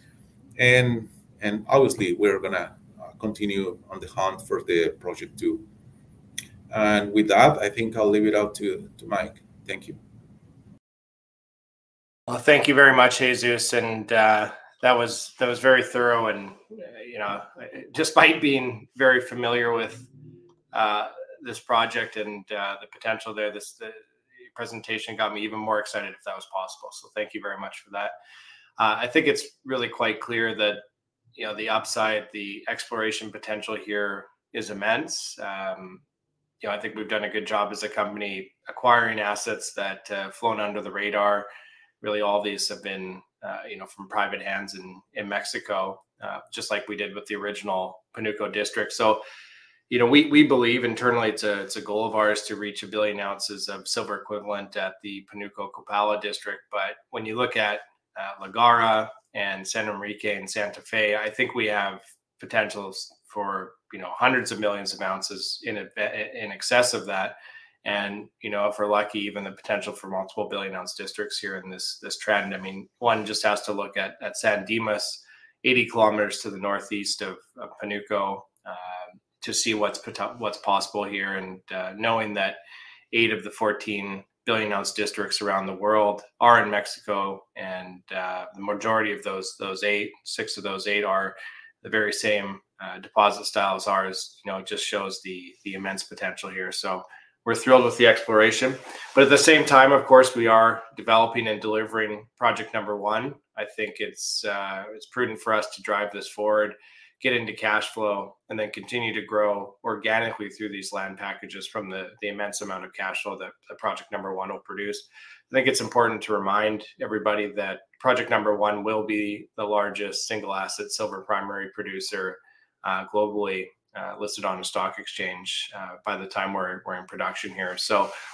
Obviously, we're going to continue on the hunt for the project two. With that, I think I'll leave it up to Mike. Thank you. Thank you very much, Jesus. That was very thorough. Despite being very familiar with this project and the potential there, this presentation got me even more excited if that was possible. Thank you very much for that. I think it's really quite clear that the upside, the exploration potential here is immense. I think we've done a good job as a company acquiring assets that have flown under the radar. Really, all these have been from private hands in Mexico, just like we did with the original Panuco District. We believe internally it's a goal of ours to reach a billion ounces of silver equivalent at the Panuco-Copala District. When you look at La Garra and San Enrique and Santa Fe, I think we have potentials for hundreds of millions of ounces in excess of that. If we're lucky, even the potential for multiple billion-ounce districts here in this trend. One just has to look at San Dimas, 80 kkm to the northeast of Panuco, to see what's possible here. Knowing that eight of the 14 billion-ounce districts around the world are in Mexico, and the majority of those eight, six of those eight, are the very same deposit style as ours, it just shows the immense potential here. We're thrilled with the exploration. At the same time, of course, we are developing and delivering project number one. I think it's prudent for us to drive this forward, get into cash flow, and then continue to grow organically through these land packages from the immense amount of cash flow that project number one will produce. I think it's important to remind everybody that project number one will be the largest single asset silver primary producer globally listed on a stock exchange by the time we're in production here.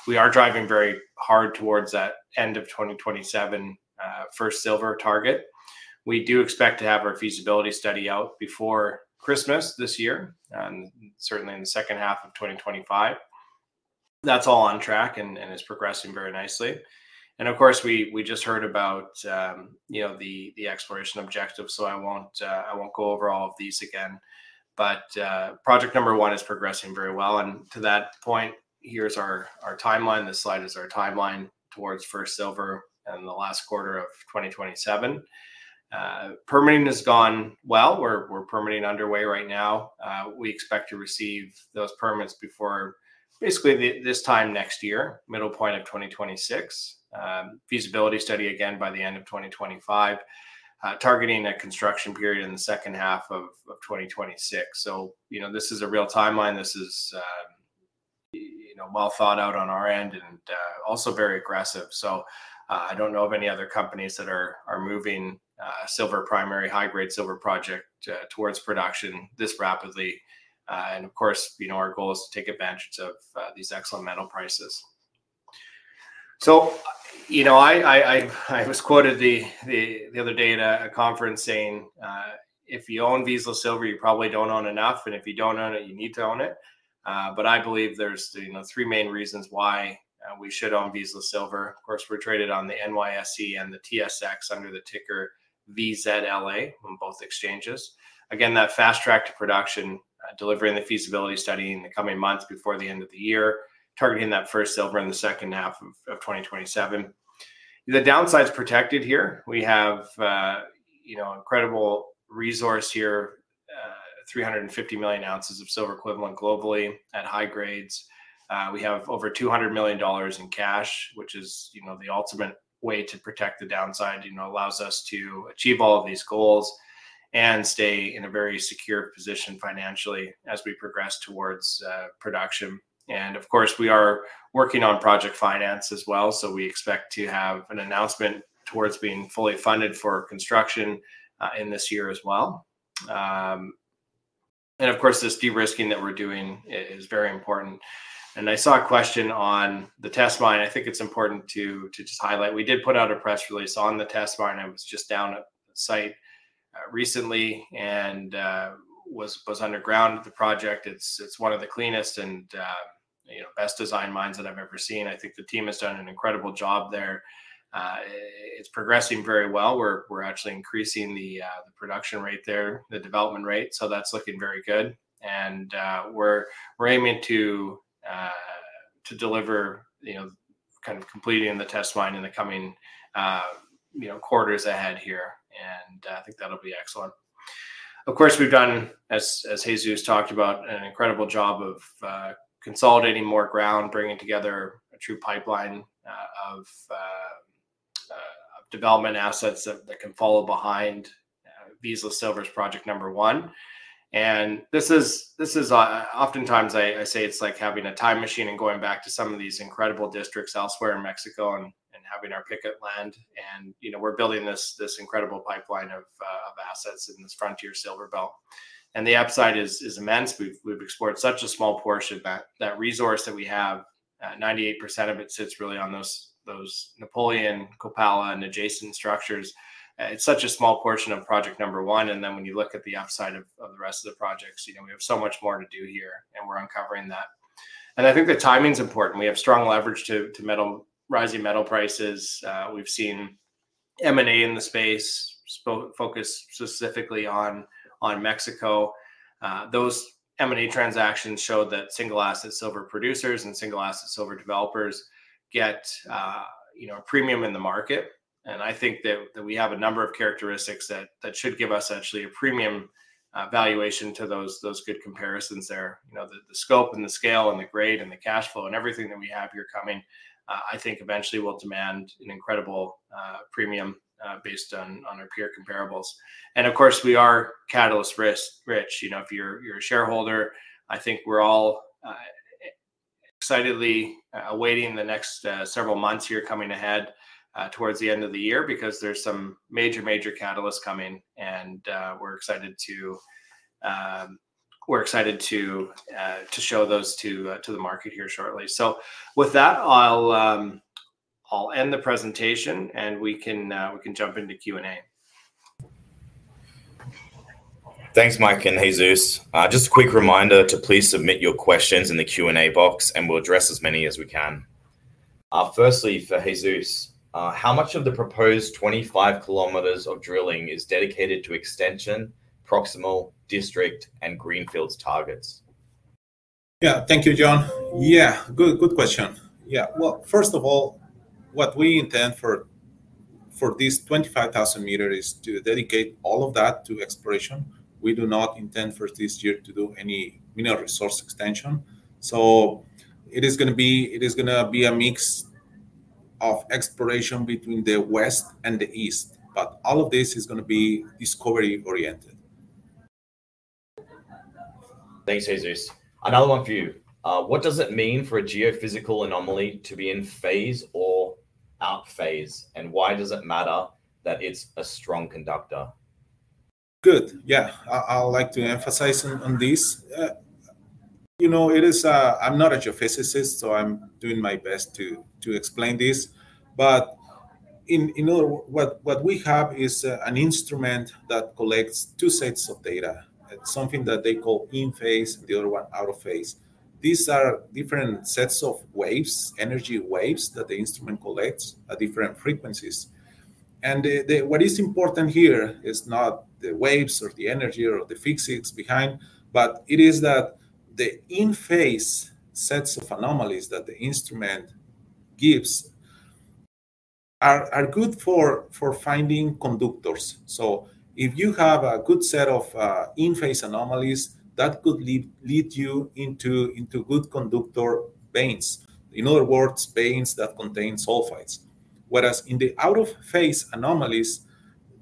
We are driving very hard towards that end of 2027 first silver target. We do expect to have our Feasibility Study out before Christmas this year, and certainly in the second half of 2025. That's all on track and is progressing very nicely. We just heard about the exploration objective. I won't go over all of these again. Project number one is progressing very well. To that point, here's our timeline. This slide is our timeline towards first silver in the last quarter of 2027. Permitting has gone well. We're permitting underway right now. We expect to receive those permits before basically this time next year, middle point of 2026. Feasibility Study again by the end of 2025, targeting a construction period in the second half of 2026. This is a real timeline. This is well thought out on our end and also very aggressive. I don't know of any other companies that are moving silver primary, high-grade silver project towards production this rapidly. Of course, our goal is to take advantage of these excellent metal prices. I was quoted the other day in a conference saying, if you own Vizsla Silver, you probably don't own enough. If you don't own it, you need to own it. I believe there's three main reasons why we should own Vizsla Silver. Of course, we're traded on the NYSE and the TSX under the ticker VZLA on both exchanges. Again, that fast track to production, delivering the Feasibility Study in the coming months before the end of the year, targeting that first silver in the second half of 2027. The downside is protected here. We have an incredible resource here, 350 million ounces of silver equivalent globally at high grades. We have over $200 million in cash, which is the ultimate way to protect the downside, allows us to achieve all of these goals and stay in a very secure position financially as we progress towards production. Of course, we are working on project finance as well. We expect to have an announcement towards being fully funded for construction in this year as well. This de-risking that we're doing is very important. I saw a question on the test mine. I think it's important to just highlight. We did put out a press release on the test mine. I was just down at the site recently and was underground at the project. It's one of the cleanest and best designed mines that I've ever seen. I think the team has done an incredible job there. It's progressing very well. We're actually increasing the production rate there, the development rate. That's looking very good. We're aiming to deliver, kind of completing the test mine in the coming quarters ahead here. I think that'll be excellent. Of course, we've done, as Dr. Jesus Velador talked about, an incredible job of consolidating more ground, bringing together a true pipeline of development assets that can follow behind Vizsla Silver's project number one. This is oftentimes, I say it's like having a time machine and going back to some of these incredible districts elsewhere in Mexico and having our picket land. We're building this incredible pipeline of assets in this frontier silver belt. The upside is immense. We've explored such a small portion of that resource that we have. 98% of it sits really on those Napoleon, Copala, and adjacent structures. It's such a small portion of project number one. When you look at the upside of the rest of the projects, we have so much more to do here and we're uncovering that. I think the timing is important. We have strong leverage to rising metal prices. We've seen M&A in the space focused specifically on Mexico. Those M&A transactions show that single asset silver producers and single asset silver developers get a premium in the market. I think that we have a number of characteristics that should give us actually a premium valuation to those good comparisons there. The scope and the scale and the grade and the cash flow and everything that we have here coming, I think eventually will demand an incredible premium based on our peer comparables. Of course, we are catalyst rich. If you're a shareholder, I think we're all excitedly awaiting the next several months here coming ahead towards the end of the year because there's some major, major catalysts coming. We're excited to show those to the market here shortly. With that, I'll end the presentation and we can jump into Q&A. Thanks, Mike and Jesus. Just a quick reminder to please submit your questions in the Q&A box, and we'll address as many as we can. Firstly, for Jesus, how much of the proposed 25 km of drilling is dedicated to extension, proximal district, and greenfields targets? Thank you, Jon. Good question. First of all, what we intend for this 25,000 meter is to dedicate all of that to exploration. We do not intend for this year to do any mineral resource extension. It is going to be a mix of exploration between the west and the east, but all of this is going to be discovery-oriented. Thanks, Jesus. Another one for you. What does it mean for a geophysical anomaly to be in phase or out-phase? Why does it matter that it's a strong conductor? Good. Yeah, I'd like to emphasize on this. You know, I'm not a geophysicist, so I'm doing my best to explain this. In other words, what we have is an instrument that collects two sets of data. It's something that they call in-phase and the other one out-of-phase. These are different sets of waves, energy waves that the instrument collects at different frequencies. What is important here is not the waves or the energy or the physics behind, but it is that the in-phase sets of anomalies that the instrument gives are good for finding conductors. If you have a good set of in-phase anomalies, that could lead you into good conductor veins. In other words, veins that contain sulfides. Whereas in the out-of-phase anomalies,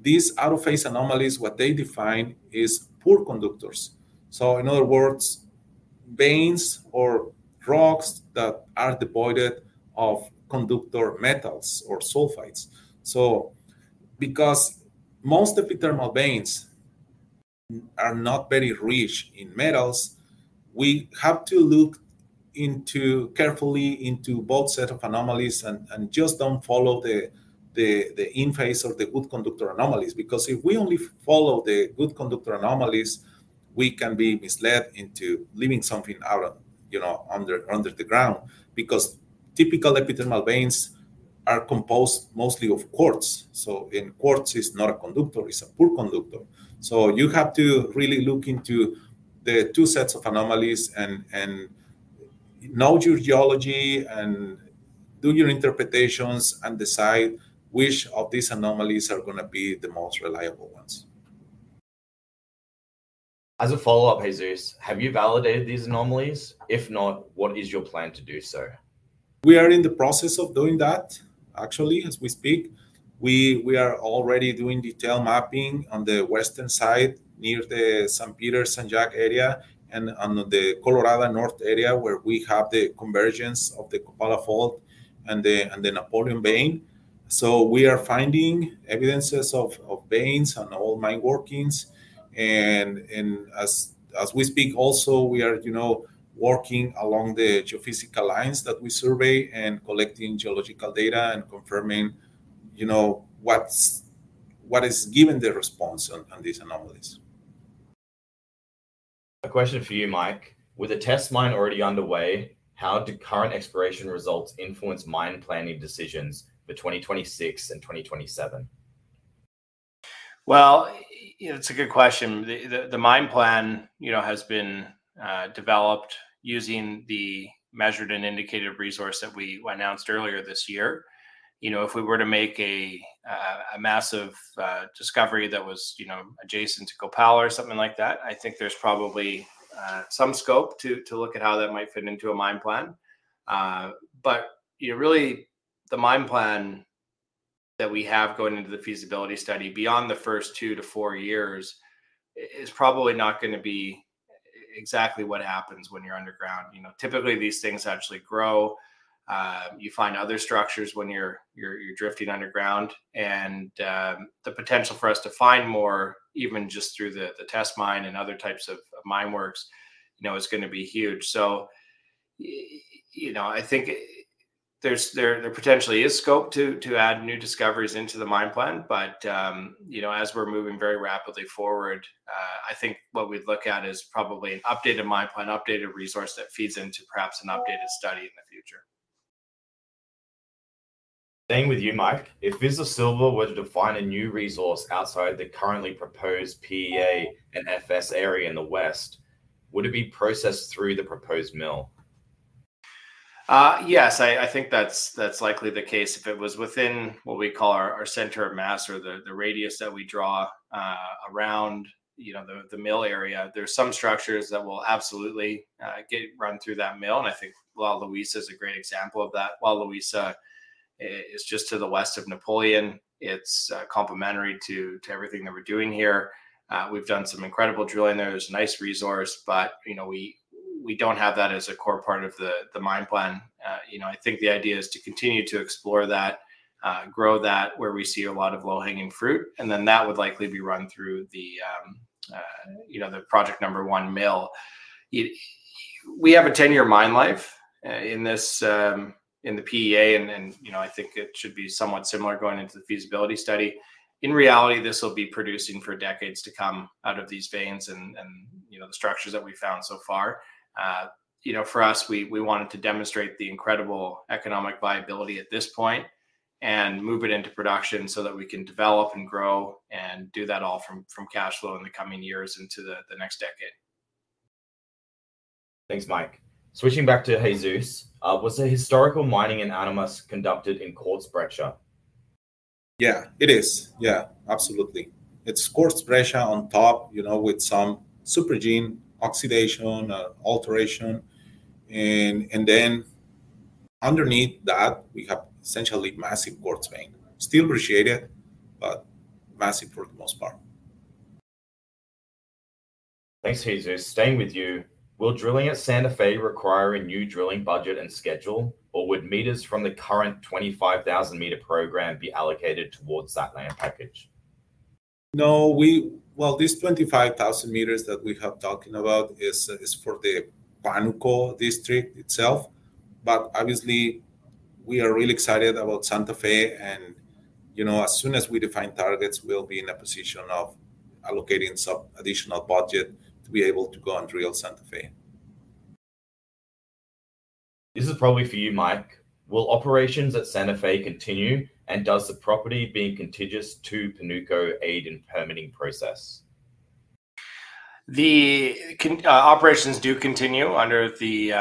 these out-of-phase anomalies, what they define is poor conductors. In other words, veins or rocks that are devoid of conductor metals or sulfides. Because most epithermal veins are not very rich in metals, we have to look carefully into both sets of anomalies and just don't follow the in-phase or the good conductor anomalies. If we only follow the good conductor anomalies, we can be misled into leaving something out of, you know, under the ground. Typical epithermal veins are composed mostly of quartz. Quartz is not a conductor, it's a poor conductor. You have to really look into the two sets of anomalies and know your geology and do your interpretations and decide which of these anomalies are going to be the most reliable ones. As a follow-up, Jesus, have you validated these anomalies? If not, what is your plan to do so? We are in the process of doing that, actually, as we speak. We are already doing detailed mapping on the western side near the St. Peter-St. Jack area and on the La Colorada North area where we have the convergence of the Copala fault and the Napoleon vein. We are finding evidences of veins on all mine workings. As we speak, we are also working along the geophysical lines that we survey, collecting geological data and confirming what is given the response on these anomalies. A question for you, Mike. With a test mine already underway, how do current exploration results influence mine planning decisions for 2026 and 2027? It's a good question. The mine plan has been developed using the measured and indicated resource that we announced earlier this year. If we were to make a massive discovery that was adjacent to Copala or something like that, I think there's probably some scope to look at how that might fit into a mine plan. The mine plan that we have going into the Feasibility Study beyond the first two to four years is probably not going to be exactly what happens when you're underground. Typically these things actually grow. You find other structures when you're drifting underground. The potential for us to find more, even just through the test mine and other types of mine works, is going to be huge. I think there potentially is scope to add new discoveries into the mine plan. As we're moving very rapidly forward, I think what we'd look at is probably an updated mine plan, updated resource that feeds into perhaps an updated study in the future. Same with you, Mike. If Vizsla Silver were to define a new resource outside the currently proposed PEA and FS area in the west, would it be processed through the proposed mill? Yes, I think that's likely the case. If it was within what we call our center of mass or the radius that we draw around the mill area, there are some structures that will absolutely get run through that mill. I think La Luisa is a great example of that. La Luisa is just to the west of Napoleon. It's complementary to everything that we're doing here. We've done some incredible drilling there. There's a nice resource, but we don't have that as a core part of the mine plan. I think the idea is to continue to explore that, grow that where we see a lot of low-hanging fruit. That would likely be run through the project number one mill. We have a 10-year mine life in this, in the PEA, and I think it should be somewhat similar going into the Feasibility Study. In reality, this will be producing for decades to come out of these veins and the structures that we found so far. For us, we wanted to demonstrate the incredible economic viability at this point and move it into production so that we can develop and grow and do that all from cash flow in the coming years into the next decade. Thanks, Mike. Switching back to Jesus, was the historical mining in Animas conducted in quartz breccia? Yeah, it is. Yeah, absolutely. It's quartz breccia on top, you know, with some supergene oxidation and alteration. Then underneath that, we have essentially massive quartz vein, still appreciated, but massive for the most part. Thanks, Jesus. Staying with you. Will drilling at Santa Fe require a new drilling budget and schedule, or would meters from the current 25,000 meter program be allocated towards that land package? No, this 25,000 meters that we have talking about is for the Panuco District itself. Obviously, we are really excited about Santa Fe. As soon as we define targets, we'll be in a position of allocating some additional budget to be able to go and drill Santa Fe. This is probably for you, Michael. Will operations at Santa Fe continue, and does the property being contiguous to Panuco aid in the permitting process? The operations do continue under the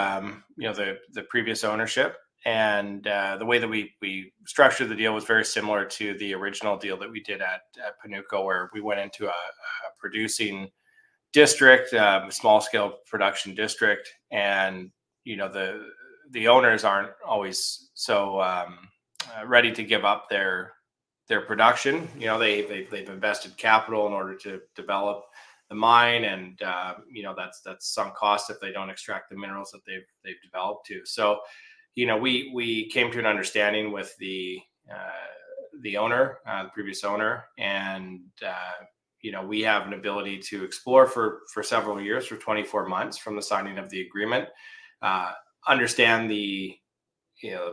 previous ownership. The way that we structured the deal was very similar to the original deal that we did at Panuco, where we went into a producing district, a small-scale production district. The owners aren't always so ready to give up their production. They've invested capital in order to develop the mine. That's some cost if they don't extract the minerals that they've developed too. We came to an understanding with the previous owner. We have an ability to explore for several years, for 24 months from the signing of the agreement, understand the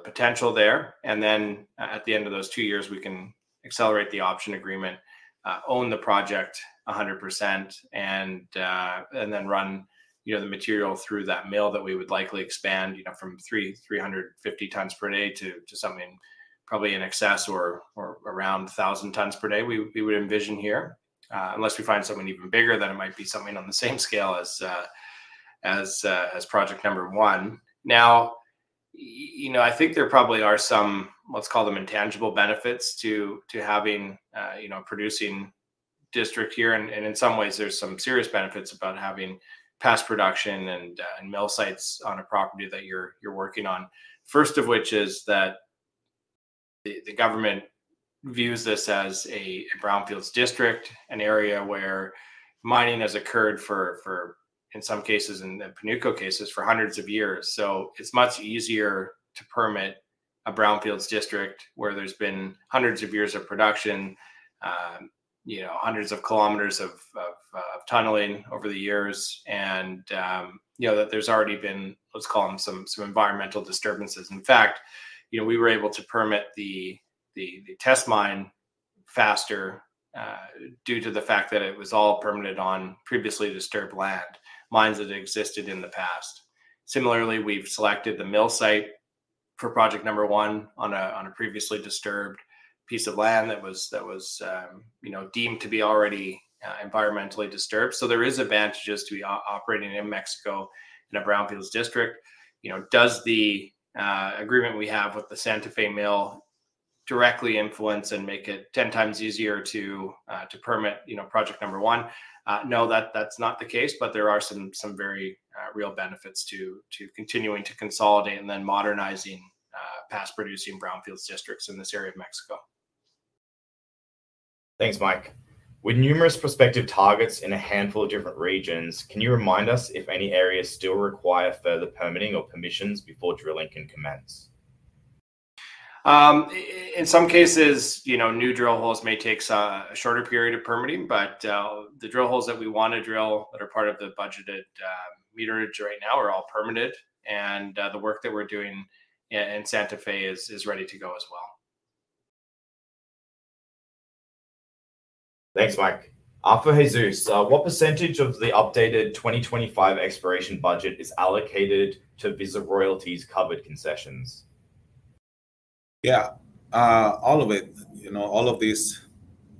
potential there. At the end of those two years, we can accelerate the option agreement, own the project 100%, and then run the material through that mill that we would likely expand from 350 tons per day to something probably in excess or around 1,000 tons per day we would envision here. Unless we find something even bigger, then it might be something on the same scale as project number one. Now. I think there probably are some, let's call them intangible benefits to having a producing district here. In some ways, there's some serious benefits about having past production and mill sites on a property that you're working on. First of which is that the government views this as a brownfields district, an area where mining has occurred for, in some cases, in Panuco cases, for hundreds of years. It's much easier to permit a brownfields district where there's been hundreds of years of production, hundreds of kilometers of tunneling over the years, and you know that there's already been, let's call them, some environmental disturbances. In fact, we were able to permit the test mine faster due to the fact that it was all permitted on previously disturbed land, mines that existed in the past. Similarly, we've selected the mill site for project number one on a previously disturbed piece of land that was deemed to be already environmentally disturbed. There are advantages to operating in Mexico in a brownfields district. Does the agreement we have with the Santa Fe Mill directly influence and make it 10 times easier to permit project number one? No, that's not the case, but there are some very real benefits to continuing to consolidate and then modernizing past producing brownfields districts in this area of Mexico. Thanks, Mike. With numerous prospective targets in a handful of different regions, can you remind us if any areas still require further permitting or permissions before drilling can commence? In some cases, you know, new drill holes may take a shorter period of permitting, but the drill holes that we want to drill that are part of the budgeted meterage right now are all permitted, and the work that we're doing in Santa Fe is ready to go as well. Thanks, Mike. Jesus, what percentage of the updated 2025 exploration budget is allocated to Vizsla Silver royalties covered concessions? Yeah, all of it, you know, all of this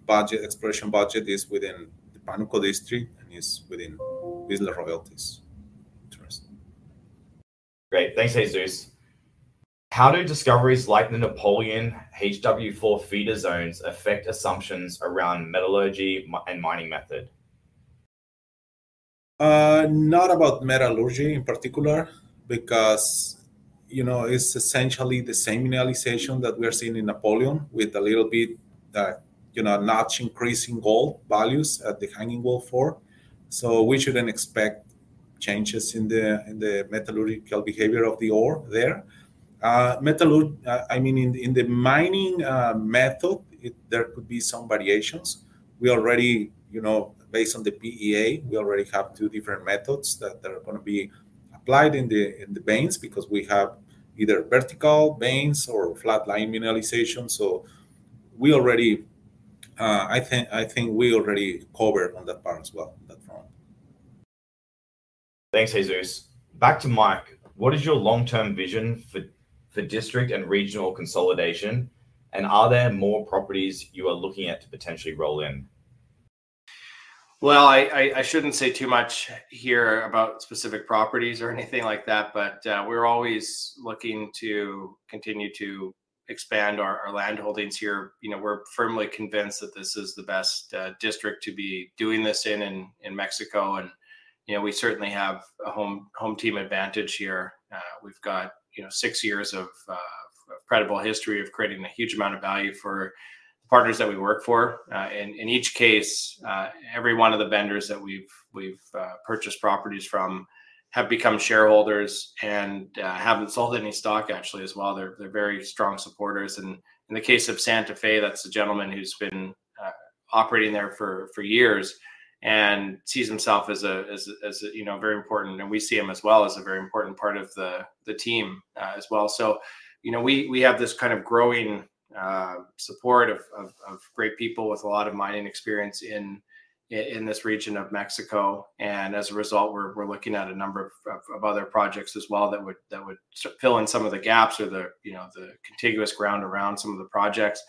budget, exploration budget, is within Panuco District and is within Vizsla Silver royalties. Great, thanks Jesus. How do discoveries like the Napoleon HW4 feeder zones affect assumptions around metallurgy and mining method? Not about metallurgy in particular, because, you know, it's essentially the same mineralization that we are seeing in Napoleon, with a little bit, you know, notch increasing gold values at the hanging gold fore. We shouldn't expect changes in the metallurgical behavior of the ore there. Metallurgical, I mean, in the mining method, there could be some variations. Based on the PEA, we already have two different methods that are going to be applied in the veins because we have either vertical veins or flat lying mineralization. I think we already cover on that part as well. Thanks, Jesus. Back to Mike, what is your long-term vision for district and regional consolidation, and are there more properties you are looking at to potentially roll in? I shouldn't say too much here about specific properties or anything like that, but we're always looking to continue to expand our land holdings here. We're firmly convinced that this is the best district to be doing this in in Mexico, and we certainly have a home team advantage here. We've got six years of credible history of creating a huge amount of value for partners that we work for. In each case, every one of the vendors that we've purchased properties from have become shareholders and haven't sold any stock actually as well. They're very strong supporters. In the case of Santa Fe, that's a gentleman who's been operating there for years and sees himself as a very important, and we see him as well as a very important part of the team as well. We have this kind of growing support of great people with a lot of mining experience in this region of Mexico, and as a result, we're looking at a number of other projects as well that would fill in some of the gaps or the contiguous ground around some of the projects.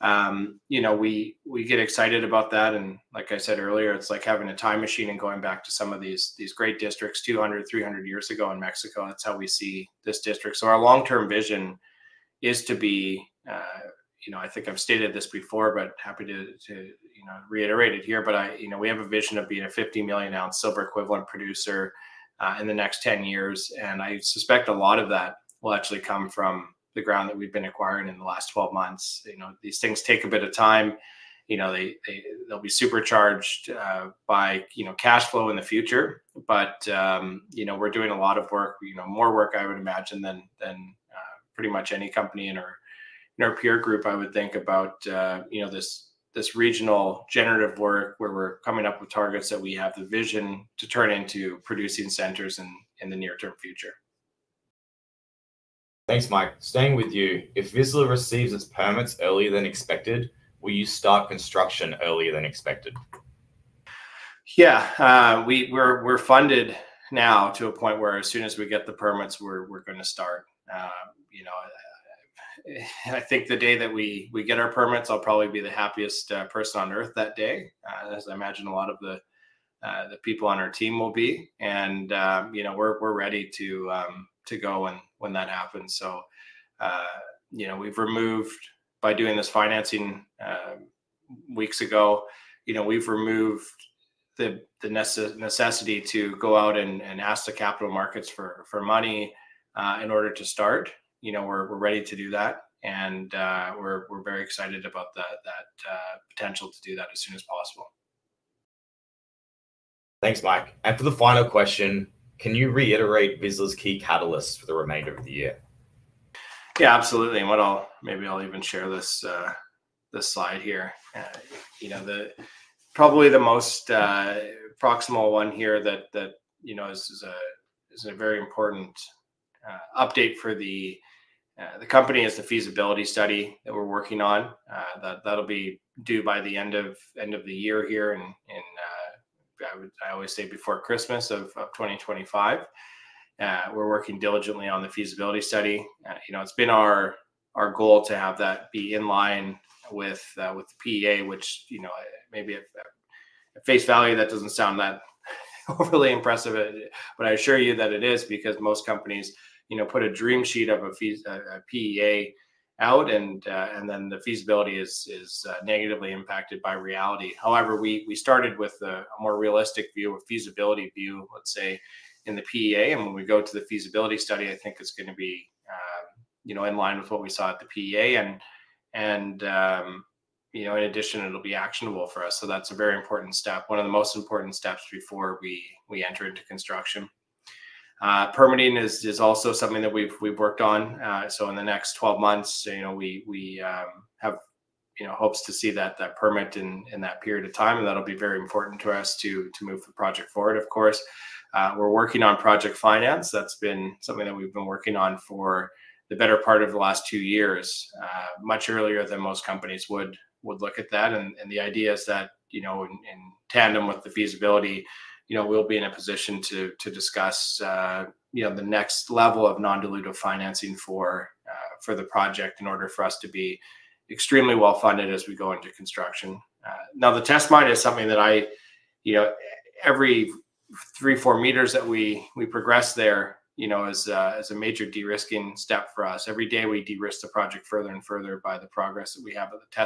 We get excited about that, and like I said earlier, it's like having a time machine and going back to some of these great districts 200, 300 years ago in Mexico. That's how we see this district. Our long-term vision is to be, I think I've stated this before, but happy to reiterate it here, but we have a vision of being a 50 million ounce silver equivalent producer in the next 10 years, and I suspect a lot of that will actually come from the ground that we've been acquiring in the last 12 months. These things take a bit of time. They'll be supercharged by cash flow in the future, but we're doing a lot of work, more work I would imagine than pretty much any company in our peer group, I would think, about this regional generative work where we're coming up with targets that we have the vision to turn into producing centers in the near-term future. Thanks, Mike. Staying with you, if Vizsla receives its permits earlier than expected, will you start construction earlier than expected? Yeah, we're funded now to a point where as soon as we get the permits, we're going to start. I think the day that we get our permits, I'll probably be the happiest person on earth that day, as I imagine a lot of the people on our team will be, and we're ready to go when that happens. We've removed, by doing this financing weeks ago, the necessity to go out and ask the capital markets for money in order to start. We're ready to do that, and we're very excited about that potential to do that as soon as possible. Thanks, Mike. For the final question, can you reiterate Vizsla's key catalysts for the remainder of the year? Yeah, absolutely, and maybe I'll even share this slide here. Probably the most proximal one here that is a very important update for the company is the Feasibility Study that we're working on. That'll be due by the end of the year here, and I always say before Christmas of 2025. We're working diligently on the Feasibility Study. It's been our goal to have that be in line with the PEA, which maybe at face value doesn't sound that overly impressive, but I assure you that it is because most companies put a dream sheet of a PEA out, and then the feasibility is negatively impacted by reality. However, we started with a more realistic view of feasibility, let's say, in the PEA, and when we go to the Feasibility Study, I think it's going to be in line with what we saw at the PEA, and in addition, it'll be actionable for us. That's a very important step, one of the most important steps before we enter into construction. Permitting is also something that we've worked on. In the next 12 months, we have hopes to see that permit in that period of time, and that'll be very important to us to move the project forward, of course. We're working on project finance. That's been something that we've been working on for the better part of the last two years, much earlier than most companies would look at that. The idea is that in tandem with the feasibility, we'll be in a position to discuss the next level of non-dilutive financing for the project in order for us to be extremely well funded as we go into construction. Now, the test mine is something that I, every three, four meters that we progress there, is a major de-risking step for us. Every day we de-risk the project further and further by the progress that we have at the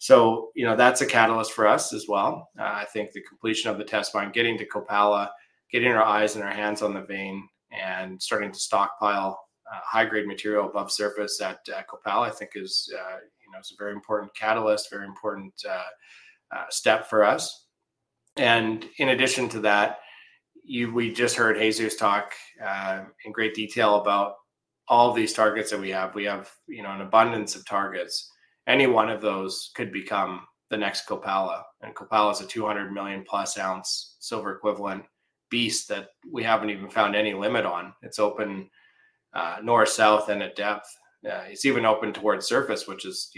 test mine. That's a catalyst for us as well. I think the completion of the test mine, getting to Copala, getting our eyes and our hands on the vein, and starting to stockpile high-grade material above surface at Copala, I think is a very important catalyst, very important step for us. In addition to that, we just heard Jesus talk in great detail about all these targets that we have. We have an abundance of targets. Any one of those could become the next Copala, and Copala is a 200+ million ounce silver equivalent beast that we haven't even found any limit on. It's open north, south, and at depth. It's even open towards surface, which is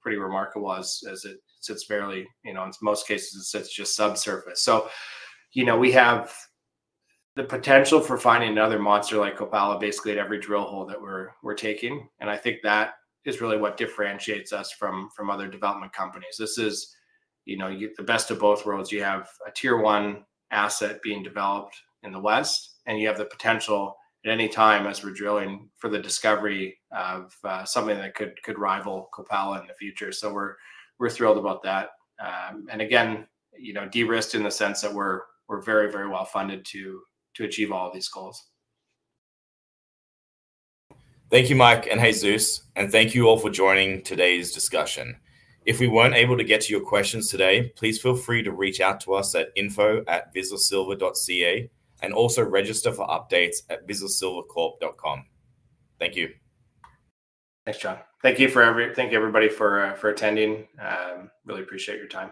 pretty remarkable as it sits fairly, in most cases it sits just subsurface. We have the potential for finding another monster like Copala basically at every drill hole that we're taking, and I think that is really what differentiates us from other development companies. This is the best of both worlds. You have a tier one asset being developed in the west, and you have the potential at any time as we're drilling for the discovery of something that could rival Copala in the future. We're thrilled about that. Again, de-risked in the sense that we're very, very well funded to achieve all of these goals. Thank you, Mike and Jesus, and thank you all for joining today's discussion. If we weren't able to get to your questions today, please feel free to reach out to us at info@vizslasilver.ca and also register for updates at vizslasilvercorp.com. Thank you. Thanks, Jon. Thank you everybody for attending. Really appreciate your time.